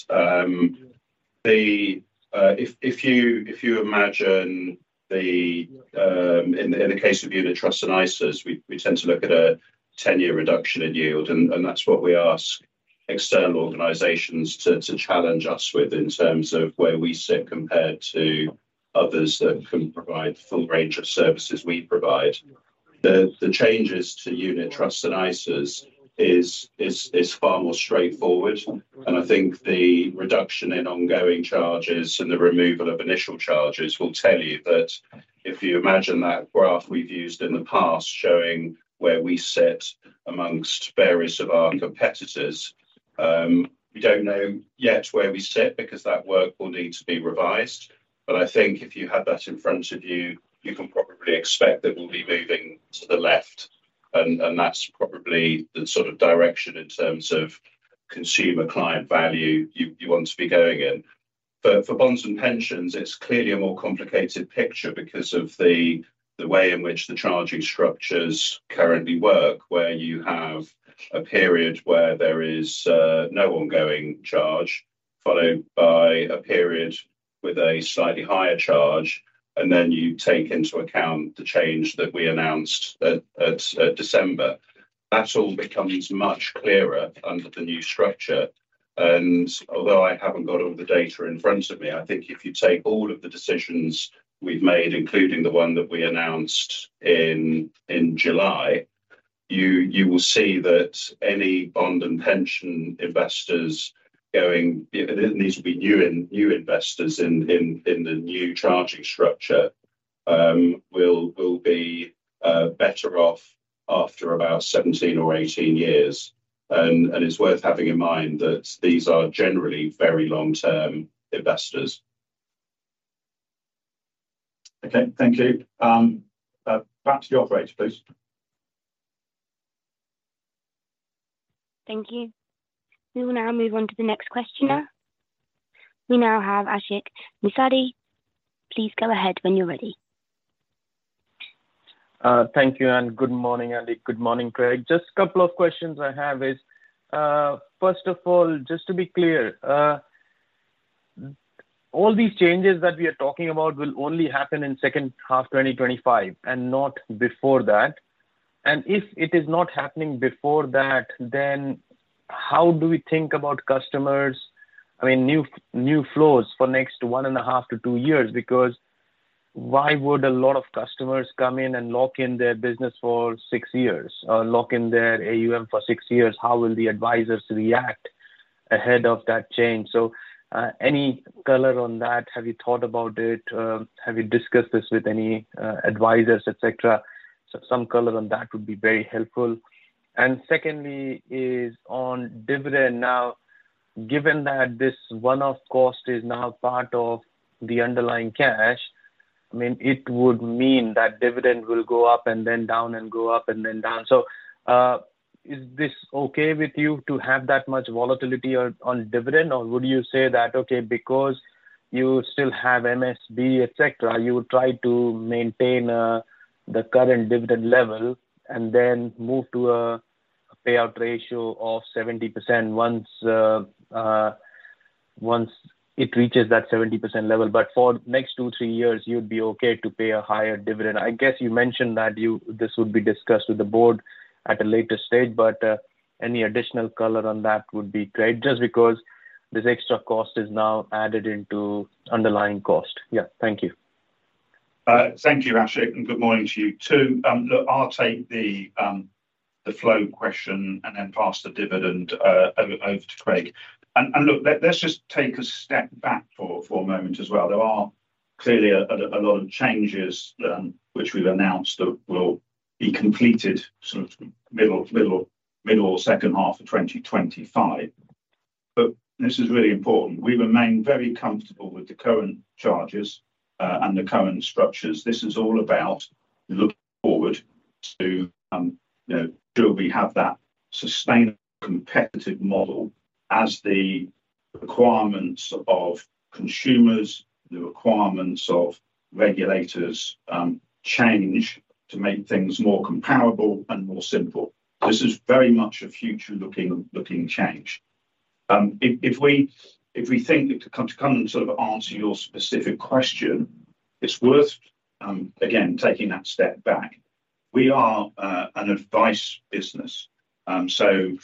If you imagine in the case of unit trusts and ISAs, we tend to look at a 10-year reduction in yield, and that's what we ask external organizations to challenge us with in terms of where we sit compared to others that can provide the full range of services we provide. The changes to unit trusts and ISAs is far more straightforward, and I think the reduction in ongoing charges and the removal of initial charges will tell you that if you imagine that graph we've used in the past, showing where we sit amongst various of our competitors, we don't know yet where we sit because that work will need to be revised. But I think if you had that in front of you, you can probably expect that we'll be moving to the left, and that's probably the sort of direction in terms of consumer client value you want to be going in. For bonds and pensions, it's clearly a more complicated picture because of the way in which the charging structures currently work, where you have a period where there is no ongoing charge, followed by a period with a slightly higher charge, and then you take into account the change that we announced at December. That all becomes much clearer under the new structure, and although I haven't got all the data in front of me, I think if you take all of the decisions we've made, including the one that we announced in July, you will see that any bond and pension investors going, it needs to be new investors in the new charging structure, will be better off after about 17 or 18 years. And it's worth having in mind that these are generally very long-term investors. Okay. Thank you. Back to the operator, please. Thank you. We will now move on to the next questioner. We now have Ashik Musaddi. Please go ahead when you're ready. Thank you, and good morning, Andy. Good morning, Craig. Just a couple of questions I have is, first of all, just to be clear, all these changes that we are talking about will only happen in second half 2025 and not before that? And if it is not happening before that, then how do we think about customers, I mean, new, new flows for next one and a half to two years, because why would a lot of customers come in and lock in their business for six years or lock in their AUM for six years? How will the advisors react ahead of that change? So, any color on that? Have you thought about it, have you discussed this with any, advisors, et cetera? So some color on that would be very helpful. And secondly is on dividend now. Given that this one-off cost is now part of the underlying cash—I mean, it would mean that dividend will go up and then down, and go up and then down. So, is this okay with you to have that much volatility on dividend? Or would you say that, okay, because you still have MSB, et cetera, you would try to maintain the current dividend level and then move to a payout ratio of 70% once it reaches that 70% level. But for next two, three years, you'd be okay to pay a higher dividend. I guess you mentioned that you—this would be discussed with the Board at a later stage, but any additional color on that would be great, just because this extra cost is now added into underlying cost. Yeah. Thank you. Thank you, Ashik, and good morning to you, too. Look, I'll take the flow question and then pass the dividend over to Craig. And look, let's just take a step back for a moment as well. There are clearly a lot of changes which we've announced that will be completed sort of middle or second half of 2025. But this is really important. We remain very comfortable with the current charges and the current structures. This is all about looking forward to, you know, do we have that sustainable competitive model as the requirements of consumers, the requirements of regulators, change to make things more comparable and more simple. This is very much a future-looking change. If we think to come and sort of answer your specific question, it's worth again taking that step back. We are an advice business, so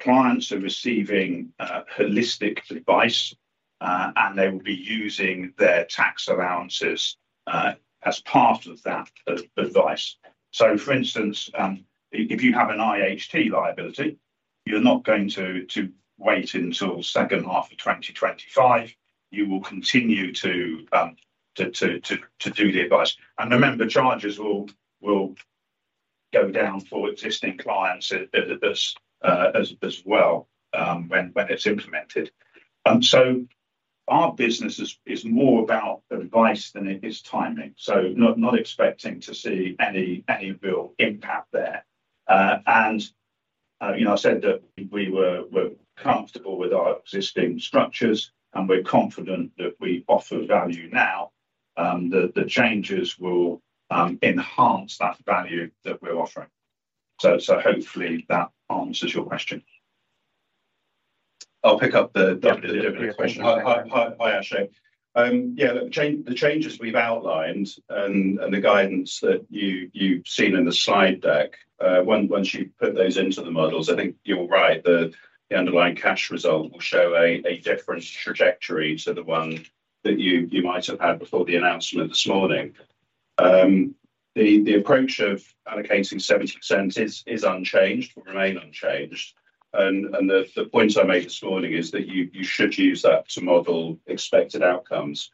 clients are receiving holistic advice, and they will be using their tax allowances as part of that advice. So for instance, if you have an IHT liability, you're not going to wait until second half of 2025, you will continue to do the advice. And remember, charges will go down for existing clients as well when it's implemented. So our business is more about advice than it is timing, so not expecting to see any real impact there. And, you know, I said that we're comfortable with our existing structures, and we're confident that we offer value now. The changes will enhance that value that we're offering. So hopefully that answers your question. I'll pick up the dividend question. Hi, hi, hi, Ashik. Yeah, the changes we've outlined and the guidance that you've seen in the slide deck, once you put those into the models, I think you're right, the underlying cash result will show a different trajectory to the one that you might have had before the announcement this morning. The approach of allocating 70% is unchanged, will remain unchanged, and the point I made this morning is that you should use that to model expected outcomes.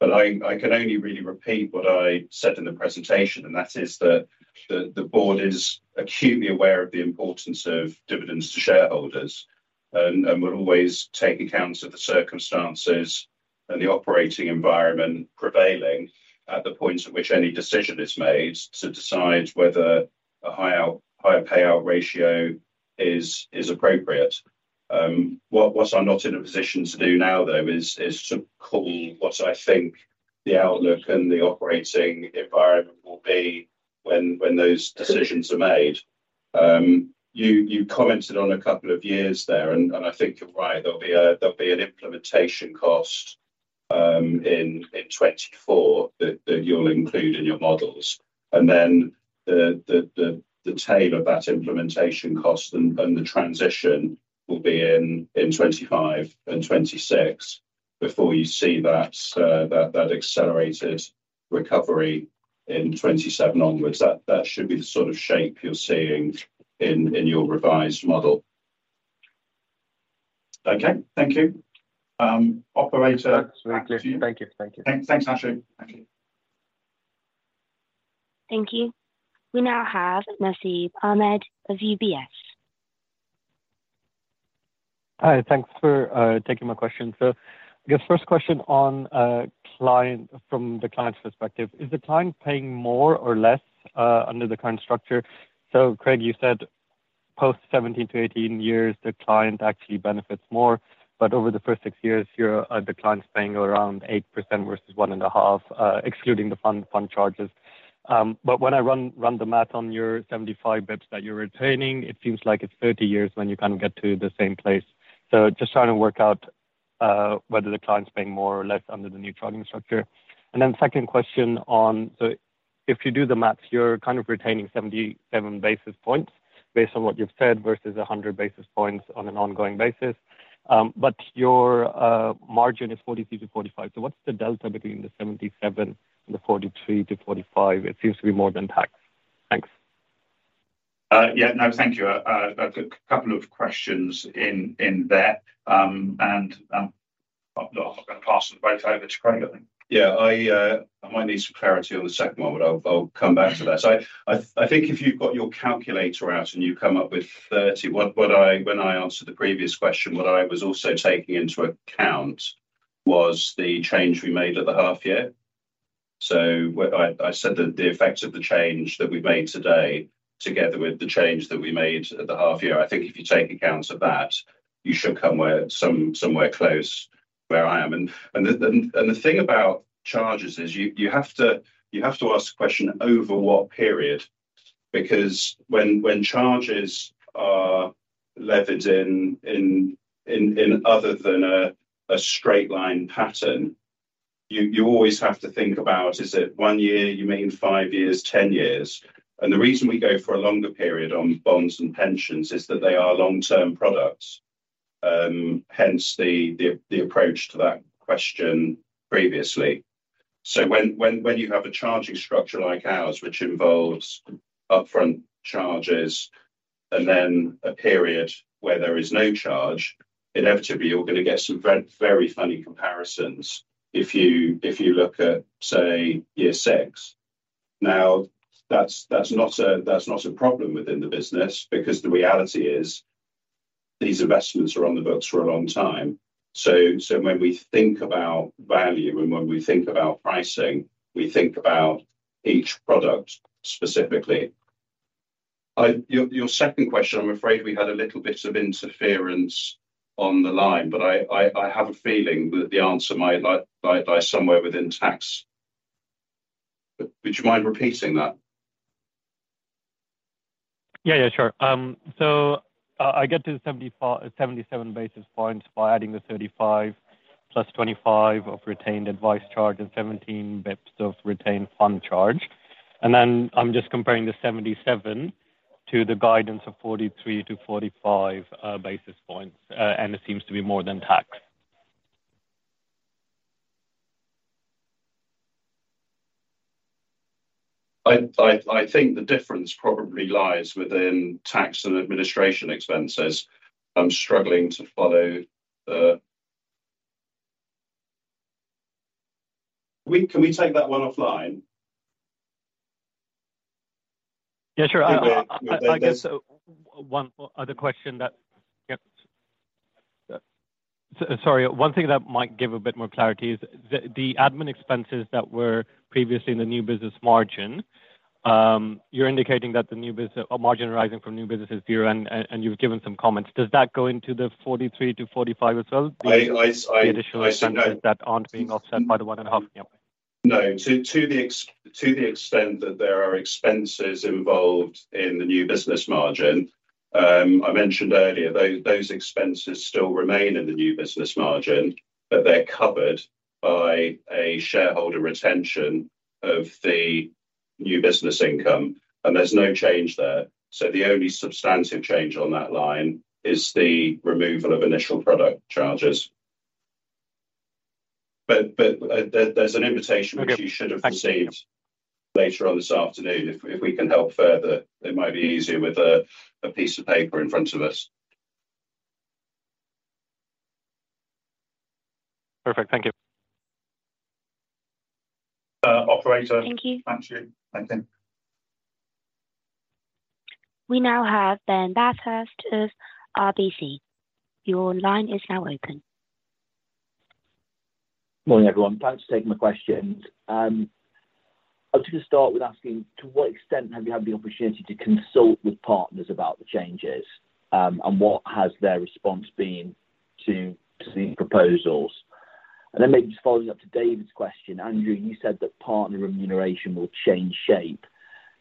But I can only really repeat what I said in the presentation, and that is that the Board is acutely aware of the importance of dividends to shareholders. We'll always take account of the circumstances and the operating environment prevailing at the point at which any decision is made, to decide whether a higher payout ratio is appropriate. What I'm not in a position to do now, though, is to call what I think the outlook and the operating environment will be when those decisions are made. You commented on a couple of years there, and I think you're right, there'll be an implementation cost in 2024 that you'll include in your models. And then the tail of that implementation cost and the transition will be in 2025 and 2026 before you see that accelerated recovery in 2027 onwards. That, that should be the sort of shape you're seeing in your revised model. Okay. Thank you. operator- That's very clear. Thank you. Thank you. Thanks, Ashik. Thank you. Thank you. We now have Nasib Ahmed of UBS. Hi, thanks for taking my question. So I guess first question on client, from the client's perspective. Is the client paying more or less under the current structure? So Craig, you said post 17-18 years, the client actually benefits more, but over the first six years, you're the client's paying around 8% versus 1.5%, excluding the fund charges. But when I run the math on your 75 basis points that you're retaining, it seems like it's 30 years when you kind of get to the same place. So just trying to work out whether the client's paying more or less under the new charging structure. And then second question on... So if you do the math, you're kind of retaining 77 basis points, based on what you've said, versus 100 basis points on an ongoing basis. But your margin is 43-45. So what's the delta between the 77 and the 43-45? It seems to be more than tax. Thanks. Yeah. No, thank you. A couple of questions in there. I'm gonna pass the mic over to Craig, I think. Yeah, I might need some clarity on the second one, but I'll come back to that. So I think if you've got your calculator out and you come up with 30, what—what I—when I answered the previous question, what I was also taking into account was the change we made at the half year. So what I said that the effects of the change that we've made today, together with the change that we made at the half year, I think if you take account of that, you should come somewhere close to where I am. And the thing about charges is you have to ask the question, over what period? Because when charges are levered in other than a straight line pattern, you always have to think about, is it one year, you mean five years, ten years? And the reason we go for a longer period on bonds and pensions is that they are long-term products, hence the approach to that question previously. So when you have a charging structure like ours, which involves upfront charges and then a period where there is no charge, inevitably, you're gonna get some very, very funny comparisons if you look at, say, year six. Now, that's not a problem within the business because the reality is, these investments are on the books for a long time. So when we think about value and when we think about pricing, we think about each product specifically. Your second question, I'm afraid we had a little bit of interference on the line, but I have a feeling that the answer might lie somewhere within tax. But would you mind repeating that? Yeah, yeah, sure. So, I get to the 75, 77 basis points by adding the 35 + 25 of retained advice charge and 17 basis points of retained fund charge. And then, I'm just comparing the 77 to the guidance of 43-45 basis points, and it seems to be more than tax. I think the difference probably lies within tax and administration expenses. I'm struggling to follow the... Can we take that one offline? Yeah, sure. There, there- I guess, one other question that... Sorry, one thing that might give a bit more clarity is the, the admin expenses that were previously in the new business margin. You're indicating that the new business, or margin rising from new business is zero, and you've given some comments. Does that go into the 43-45 as well? I, I, I- The initial expenses that aren't being offset by the 1.5, yeah. No. To the extent that there are expenses involved in the new business margin, I mentioned earlier, those, those expenses still remain in the new business margin, but they're covered by a shareholder retention of the new business income, and there's no change there. So the only substantive change on that line is the removal of initial product charges. But, but, there, there's an invitation- Okay. -which you should have received later on this afternoon. If we can help further, it might be easier with a piece of paper in front of us. Perfect. Thank you. Uh, operator. Thank you. Thank you. Thank you. We now have Ben Bathurst of RBC. Your line is now open. Morning, everyone. Thanks for taking my questions. I'm just going to start with asking, to what extent have you had the opportunity to consult with partners about the changes, and what has their response been to the proposals? And then maybe just following up to David's question, Andrew, you said that partner remuneration will change shape.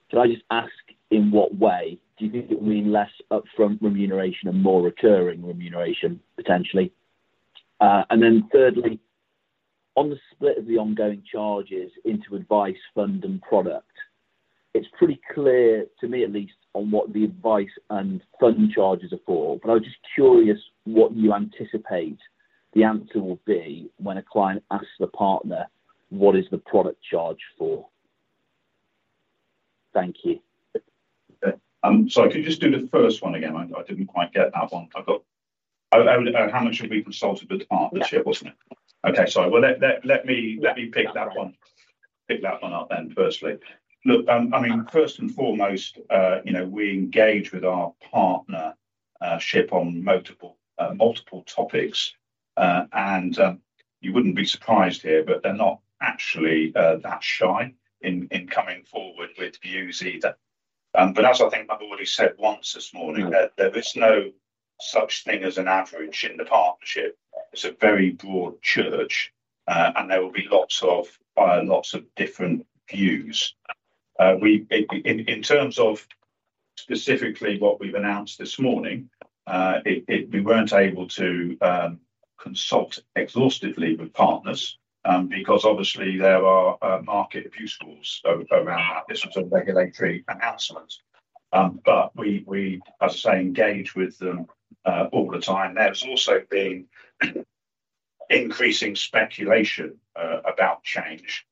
Can I just ask, in what way? Do you think it will mean less upfront remuneration and more recurring remuneration, potentially? And then thirdly, on the split of the ongoing charges into advice, fund, and product, it's pretty clear, to me at least, on what the advice and fund charges are for, but I'm just curious what you anticipate the answer will be when a client asks the partner, "What is the product charge for?" Thank you. Sorry, could you just do the first one again? I didn't quite get that one. I got, how much have we consulted with the partnership, wasn't it? Yeah. Okay. Sorry. Well, let me pick that one- Yeah. Pick that one up then, firstly. Look, I mean, first and foremost, you know, we engage with our partnership on multiple, multiple topics. And you wouldn't be surprised to hear, but they're not actually that shy in coming forward with views either. But as I think I've already said once this morning that there is no such thing as an average in the partnership. It's a very broad church, and there will be lots of, lots of different views. We, in terms of specifically what we've announced this morning, we weren't able to consult exhaustively with partners, because obviously there are market abuses around that. This was a regulatory announcement. But we, as I say, engage with them all the time. There's also been increasing speculation about change,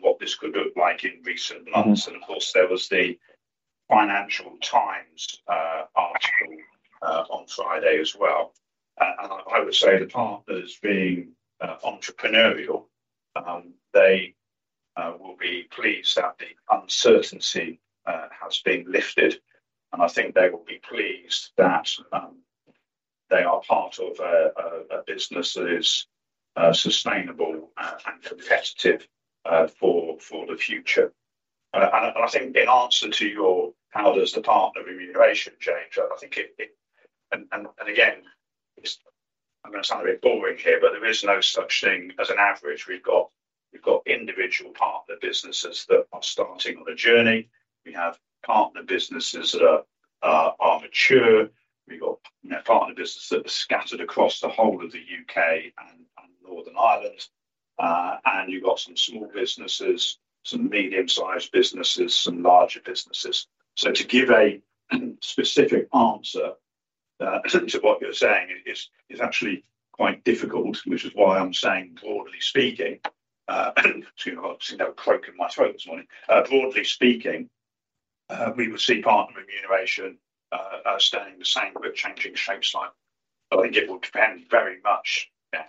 what this could look like in recent months. And of course, there was the Financial Times article on Friday as well. And I would say the partners, being entrepreneurial, they will be pleased that the uncertainty has been lifted, and I think they will be pleased that they are part of a business that is sustainable and competitive for the future. And I think the answer to your how does the partner remuneration change, I think it and again, it's—I'm gonna sound a bit boring here, but there is no such thing as an average. We've got individual partner businesses that are starting on the journey. We have partner businesses that are mature. We've got, you know, partner businesses that are scattered across the whole of the U.K. and Northern Ireland. And you've got some small businesses, some medium-sized businesses, some larger businesses. So to give a specific answer to what you're saying is actually quite difficult, which is why I'm saying, broadly speaking, excuse me, obviously, got a croak in my throat this morning. Broadly speaking, we would see partner remuneration staying the same but changing shape slightly. I think it will depend very much, yeah,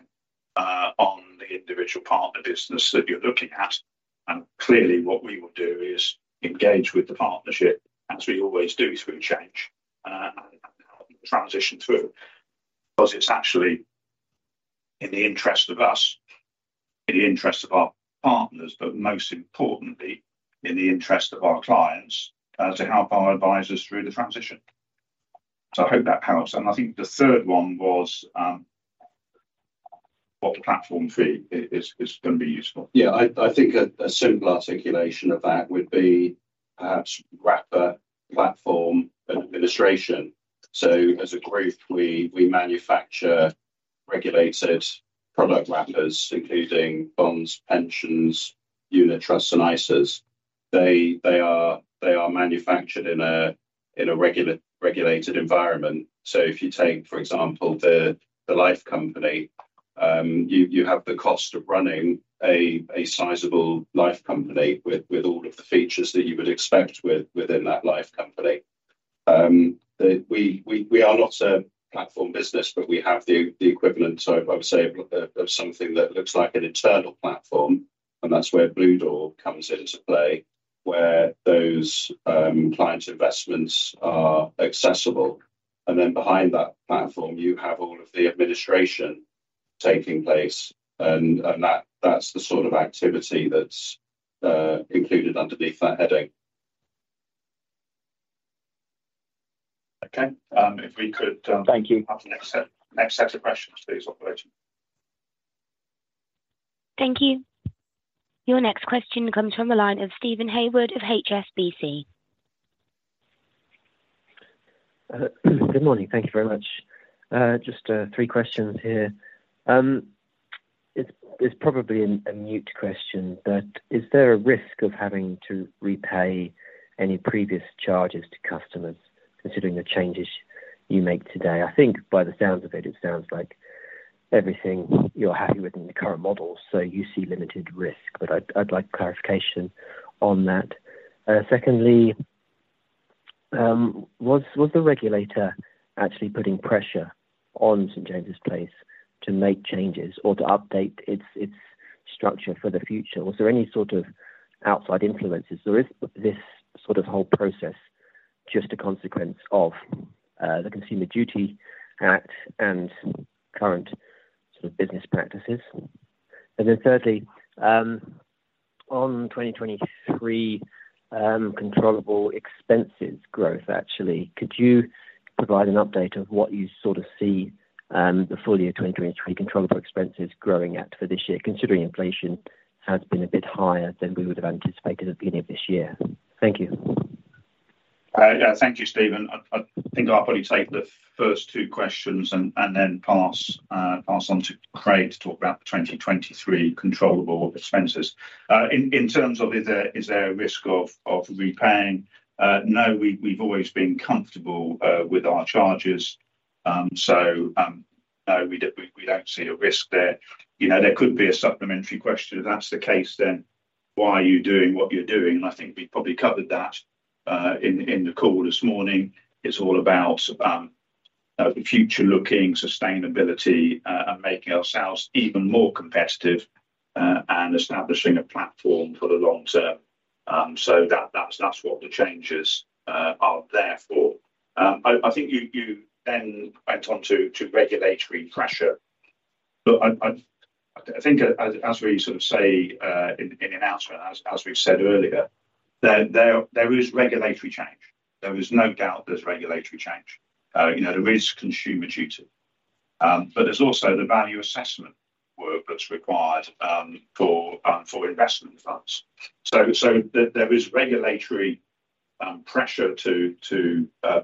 on the individual partner business that you're looking at, and clearly, what we would do is engage with the partnership, as we always do through change and transition through, because it's actually in the interest of us, in the interest of our partners, but most importantly, in the interest of our clients, to help our advisors through the transition. So I hope that helps. I think the third one was, what the platform fee is gonna be useful. Yeah. I think a simple articulation of that would be perhaps wrapper, platform, and administration. So as a group, we manufacture regulated product wrappers, including bonds, pensions, unit trusts, and ISAs. They are manufactured in a regulated environment. So if you take, for example, the life company, you have the cost of running a sizable life company with all of the features that you would expect within that life company. We are not a platform business, but we have the equivalent, so I would say, of something that looks like an internal platform, and that's where Bluedoor comes into play, where those client investments are accessible. And then behind that platform, you have all of the administration taking place, and that, that's the sort of activity that's included underneath that heading. Okay. If we could, Thank you. Have the next set of questions, please, operator. Thank you. Your next question comes from the line of Steven Haywood of HSBC. Good morning. Thank you very much. Just three questions here. It's probably a moot question, but is there a risk of having to repay any previous charges to customers, considering the changes you make today? I think by the sounds of it, it sounds like everything you're happy with in the current model, so you see limited risk, but I'd like clarification on that. Secondly, was the regulator actually putting pressure on St. James's Place to make changes or to update its structure for the future? Was there any sort of outside influences? Or is this sort of whole process just a consequence of the Consumer Duty Act and current sort of business practices? And then thirdly, on 2023, controllable expenses growth, actually, could you provide an update of what you sort of see, the full year 2023 controllable expenses growing at for this year, considering inflation has been a bit higher than we would have anticipated at the beginning of this year? Thank you. Yeah, thank you, Steven. I think I'll probably take the first two questions and then pass on to Craig to talk about the 2023 controllable expenses. In terms of, is there a risk of repaying? No, we've always been comfortable with our charges. So, no, we don't see a risk there. You know, there could be a supplementary question. If that's the case, then why are you doing what you're doing? And I think we probably covered that in the call this morning. It's all about the future-looking sustainability and making ourselves even more competitive and establishing a platform for the long term. So that, that's what the changes are there for. I think you then went on to regulatory pressure. But I think, as we sort of say, in the announcement, as we've said earlier, there is regulatory change. There is no doubt there's regulatory change. You know, there is Consumer Duty, but there's also the value assessment work that's required, for investment funds. So there is regulatory pressure to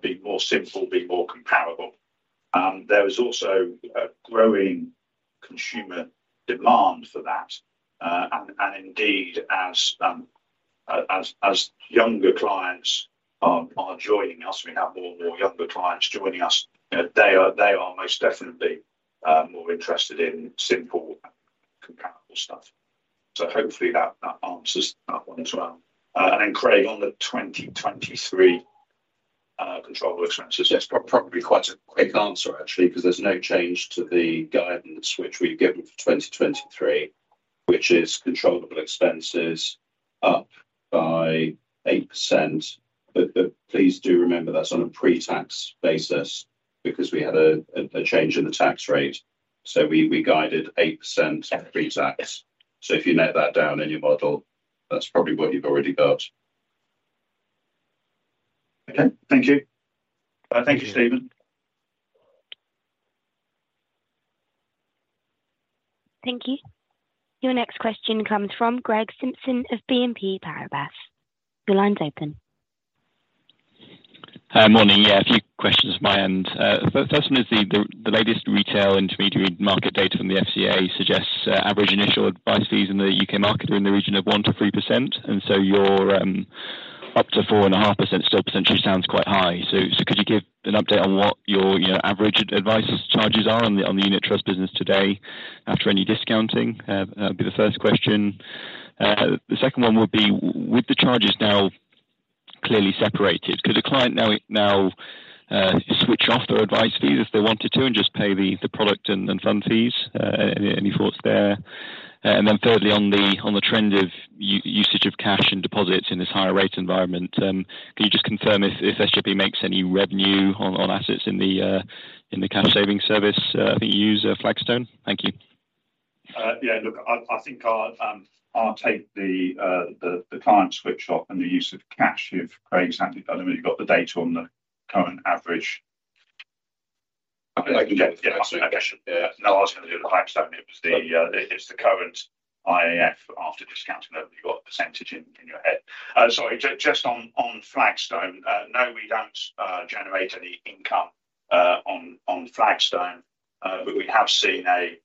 be more simple, be more comparable. There is also a growing consumer demand for that. And indeed, as younger clients are joining us, we have more and more younger clients joining us. You know, they are most definitely more interested in simple, comparable stuff. So hopefully that answers that one as well. And then, Craig, on the 2023 controllable expenses. Yes, probably quite a quick answer, actually, 'cause there's no change to the guidance which we gave them for 2023 which is controllable expenses up by 8%. But please do remember that's on a pre-tax basis because we had a change in the tax rate, so we guided 8% pre-tax. So if you net that down in your model, that's probably what you've already got. Okay. Thank you. Thank you, Steven. Thank you. Your next question comes from Greg Simpson of BNP Paribas. Your line's open. Hi. Morning. Yeah, a few questions on my end. The first one is the latest retail intermediary market data from the FCA suggests average initial advice fees in the U.K. market are in the region of 1%-3%, and so your up to 4.5% still potentially sounds quite high. So could you give an update on what your, you know, average advice charges are on the unit trust business today after any discounting? That would be the first question. The second one would be, with the charges now clearly separated, could a client now switch off their advice fees if they wanted to and just pay the product and fund fees? Any thoughts there? And then thirdly, on the trend of usage of cash and deposits in this higher rate environment, can you just confirm if SJP makes any revenue on assets in the cash savings service? I think you use Flagstone. Thank you. Yeah, look, I think I'll take the client switch off and the use of cash if Greg's happy. I don't know if you've got the data on the current average. I can get it, yeah. No, I was gonna do the Flagstone. It's the current IAF after discounting that you've got percentage in, in your head. Sorry, just, just on, on Flagstone, no, we don't generate any income on, on Flagstone. But we have seen a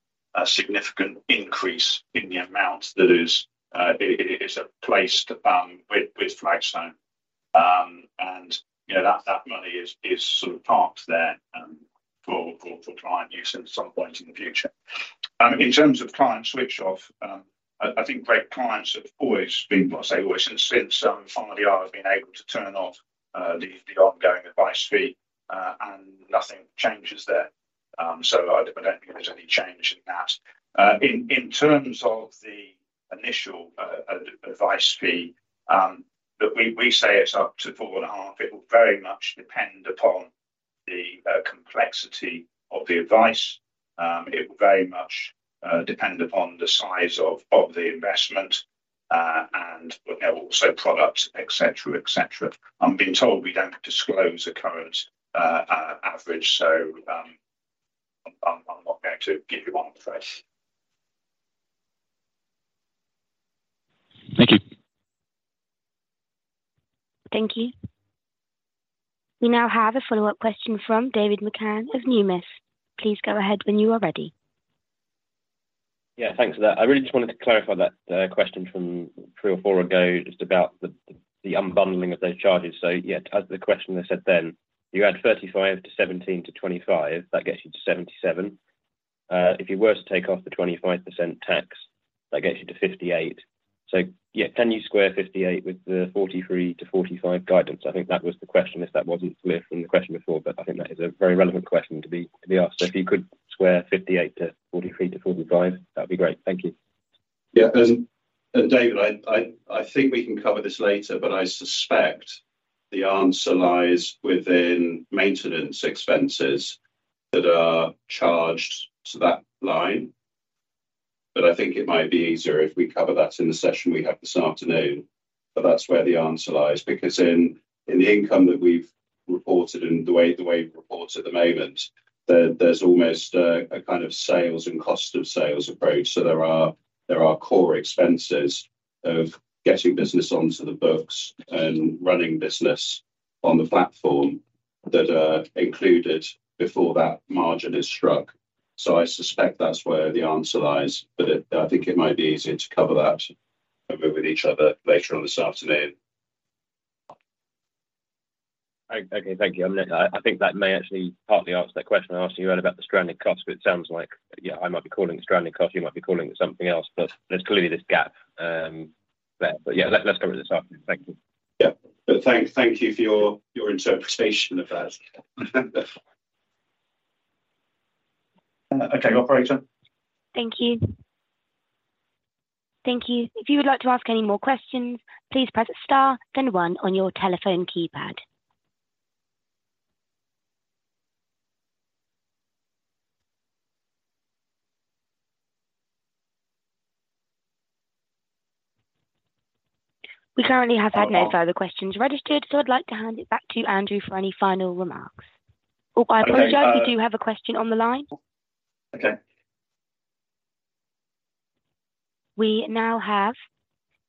significant increase in the amount that is placed with, with Flagstone. And, you know, that money is sort of parked there for client use at some point in the future. In terms of client switch off, I think, Greg, clients have always been... well, I say always, since finally, I've been able to turn off the ongoing advice fee, and nothing changes there. So I don't think there's any change in that. In terms of the initial advice fee, but we say it's up to 4.5. It will very much depend upon the complexity of the advice. It will very much depend upon the size of the investment, and you know, also product, et cetera, et cetera. I'm being told we don't disclose a current average, so I'm not going to give you one, Chris. Thank you. Thank you. We now have a follow-up question from David McCann of Numis. Please go ahead when you are ready. Yeah, thanks for that. I really just wanted to clarify that question from three or four ago, just about the unbundling of those charges. So yeah, as the questioner said then, you add 35 to 17 to 25, that gets you to 77. If you were to take off the 25% tax, that gets you to 58. So yeah, can you square 58 with the 43-45 guidance? I think that was the question, if that wasn't clear from the question before, but I think that is a very relevant question to be asked. So if you could square 58 to 43-45, that'd be great. Thank you. Yeah. David, I think we can cover this later, but I suspect the answer lies within maintenance expenses that are charged to that line. But I think it might be easier if we cover that in the session we have this afternoon, but that's where the answer lies. Because in the income that we've reported and the way it reports at the moment, there's almost a kind of sales and cost of sales approach. So there are core expenses of getting business onto the books and running business on the platform that are included before that margin is struck. So I suspect that's where the answer lies, but I think it might be easier to cover that with each other later on this afternoon. Okay. Thank you. I think that may actually partly answer that question I asked you about the stranded cost, but it sounds like, yeah, I might be calling it stranded cost, you might be calling it something else, but there's clearly this gap, there. But yeah, let's cover it this afternoon. Thank you. Yeah. But thank you for your interpretation of that. Okay, operator? Thank you. Thank you. If you would like to ask any more questions, please press star then one on your telephone keypad. We currently have had no further questions registered, so I'd like to hand it back to you, Andrew, for any final remarks. Oh, I apologize. Okay, uh- We do have a question on the line. Okay. We now have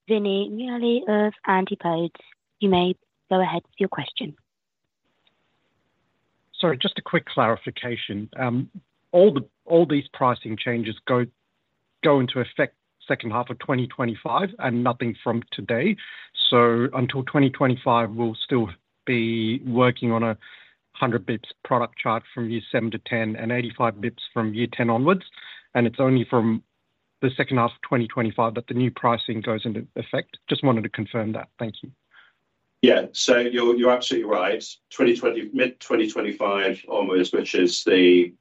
Vinayak Muralidharan of Antipodes. You may go ahead with your question. Sorry, just a quick clarification. All these pricing changes go into effect second half of 2025 and nothing from today? So until 2025, we'll still be working on a 100 basis points product charge from year 7 to 10 and 85 basis points from year 10 onwards, and it's only from the second half of 2025 that the new pricing goes into effect? Just wanted to confirm that. Thank you. Yeah, so you're absolutely right. 2020, mid-2025 onward, which is the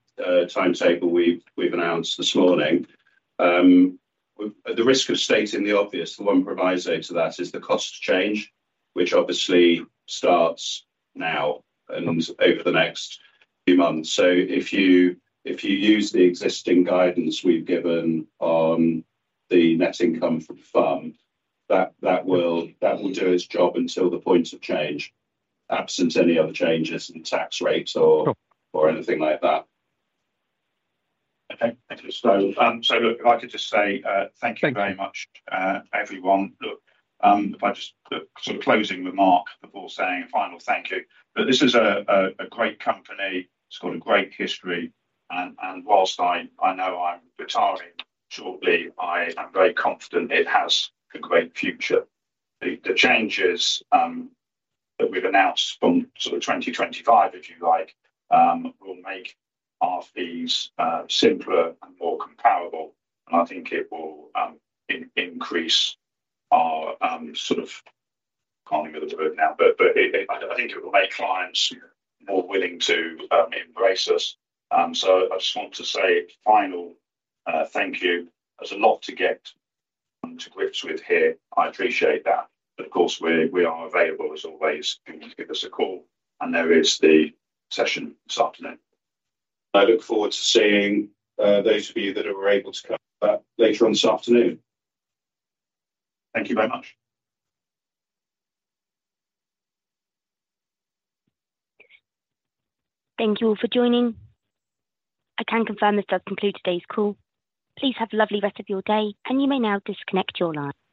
timetable we've announced this morning. At the risk of stating the obvious, the one proviso to that is the cost change, which obviously starts now and over the next few months. So if you use the existing guidance we've given on the net income from fund, that will do its job until the point of change, absent any other changes in tax rates or- Sure. -or anything like that. Okay, thank you. So, look, if I could just say, thank you very much, everyone. Look, if I just look, sort of closing remark before saying a final thank you. But this is a great company. It's got a great history, and whilst I know I'm retiring shortly, I am very confident it has a great future. The changes that we've announced from sort of 2025, if you like, will make our fees simpler and more comparable, and I think it will increase our sort of... Can't think of the word now, but it, I think it will make clients more willing to embrace us. So I just want to say a final thank you. There's a lot to get to grips with here. I appreciate that. But of course, we, we are available, as always, if you want to give us a call, and there is the session this afternoon. I look forward to seeing those of you that are able to come back later on this afternoon. Thank you very much. Thank you all for joining. I can confirm this does conclude today's call. Please have a lovely rest of your day, and you may now disconnect your line.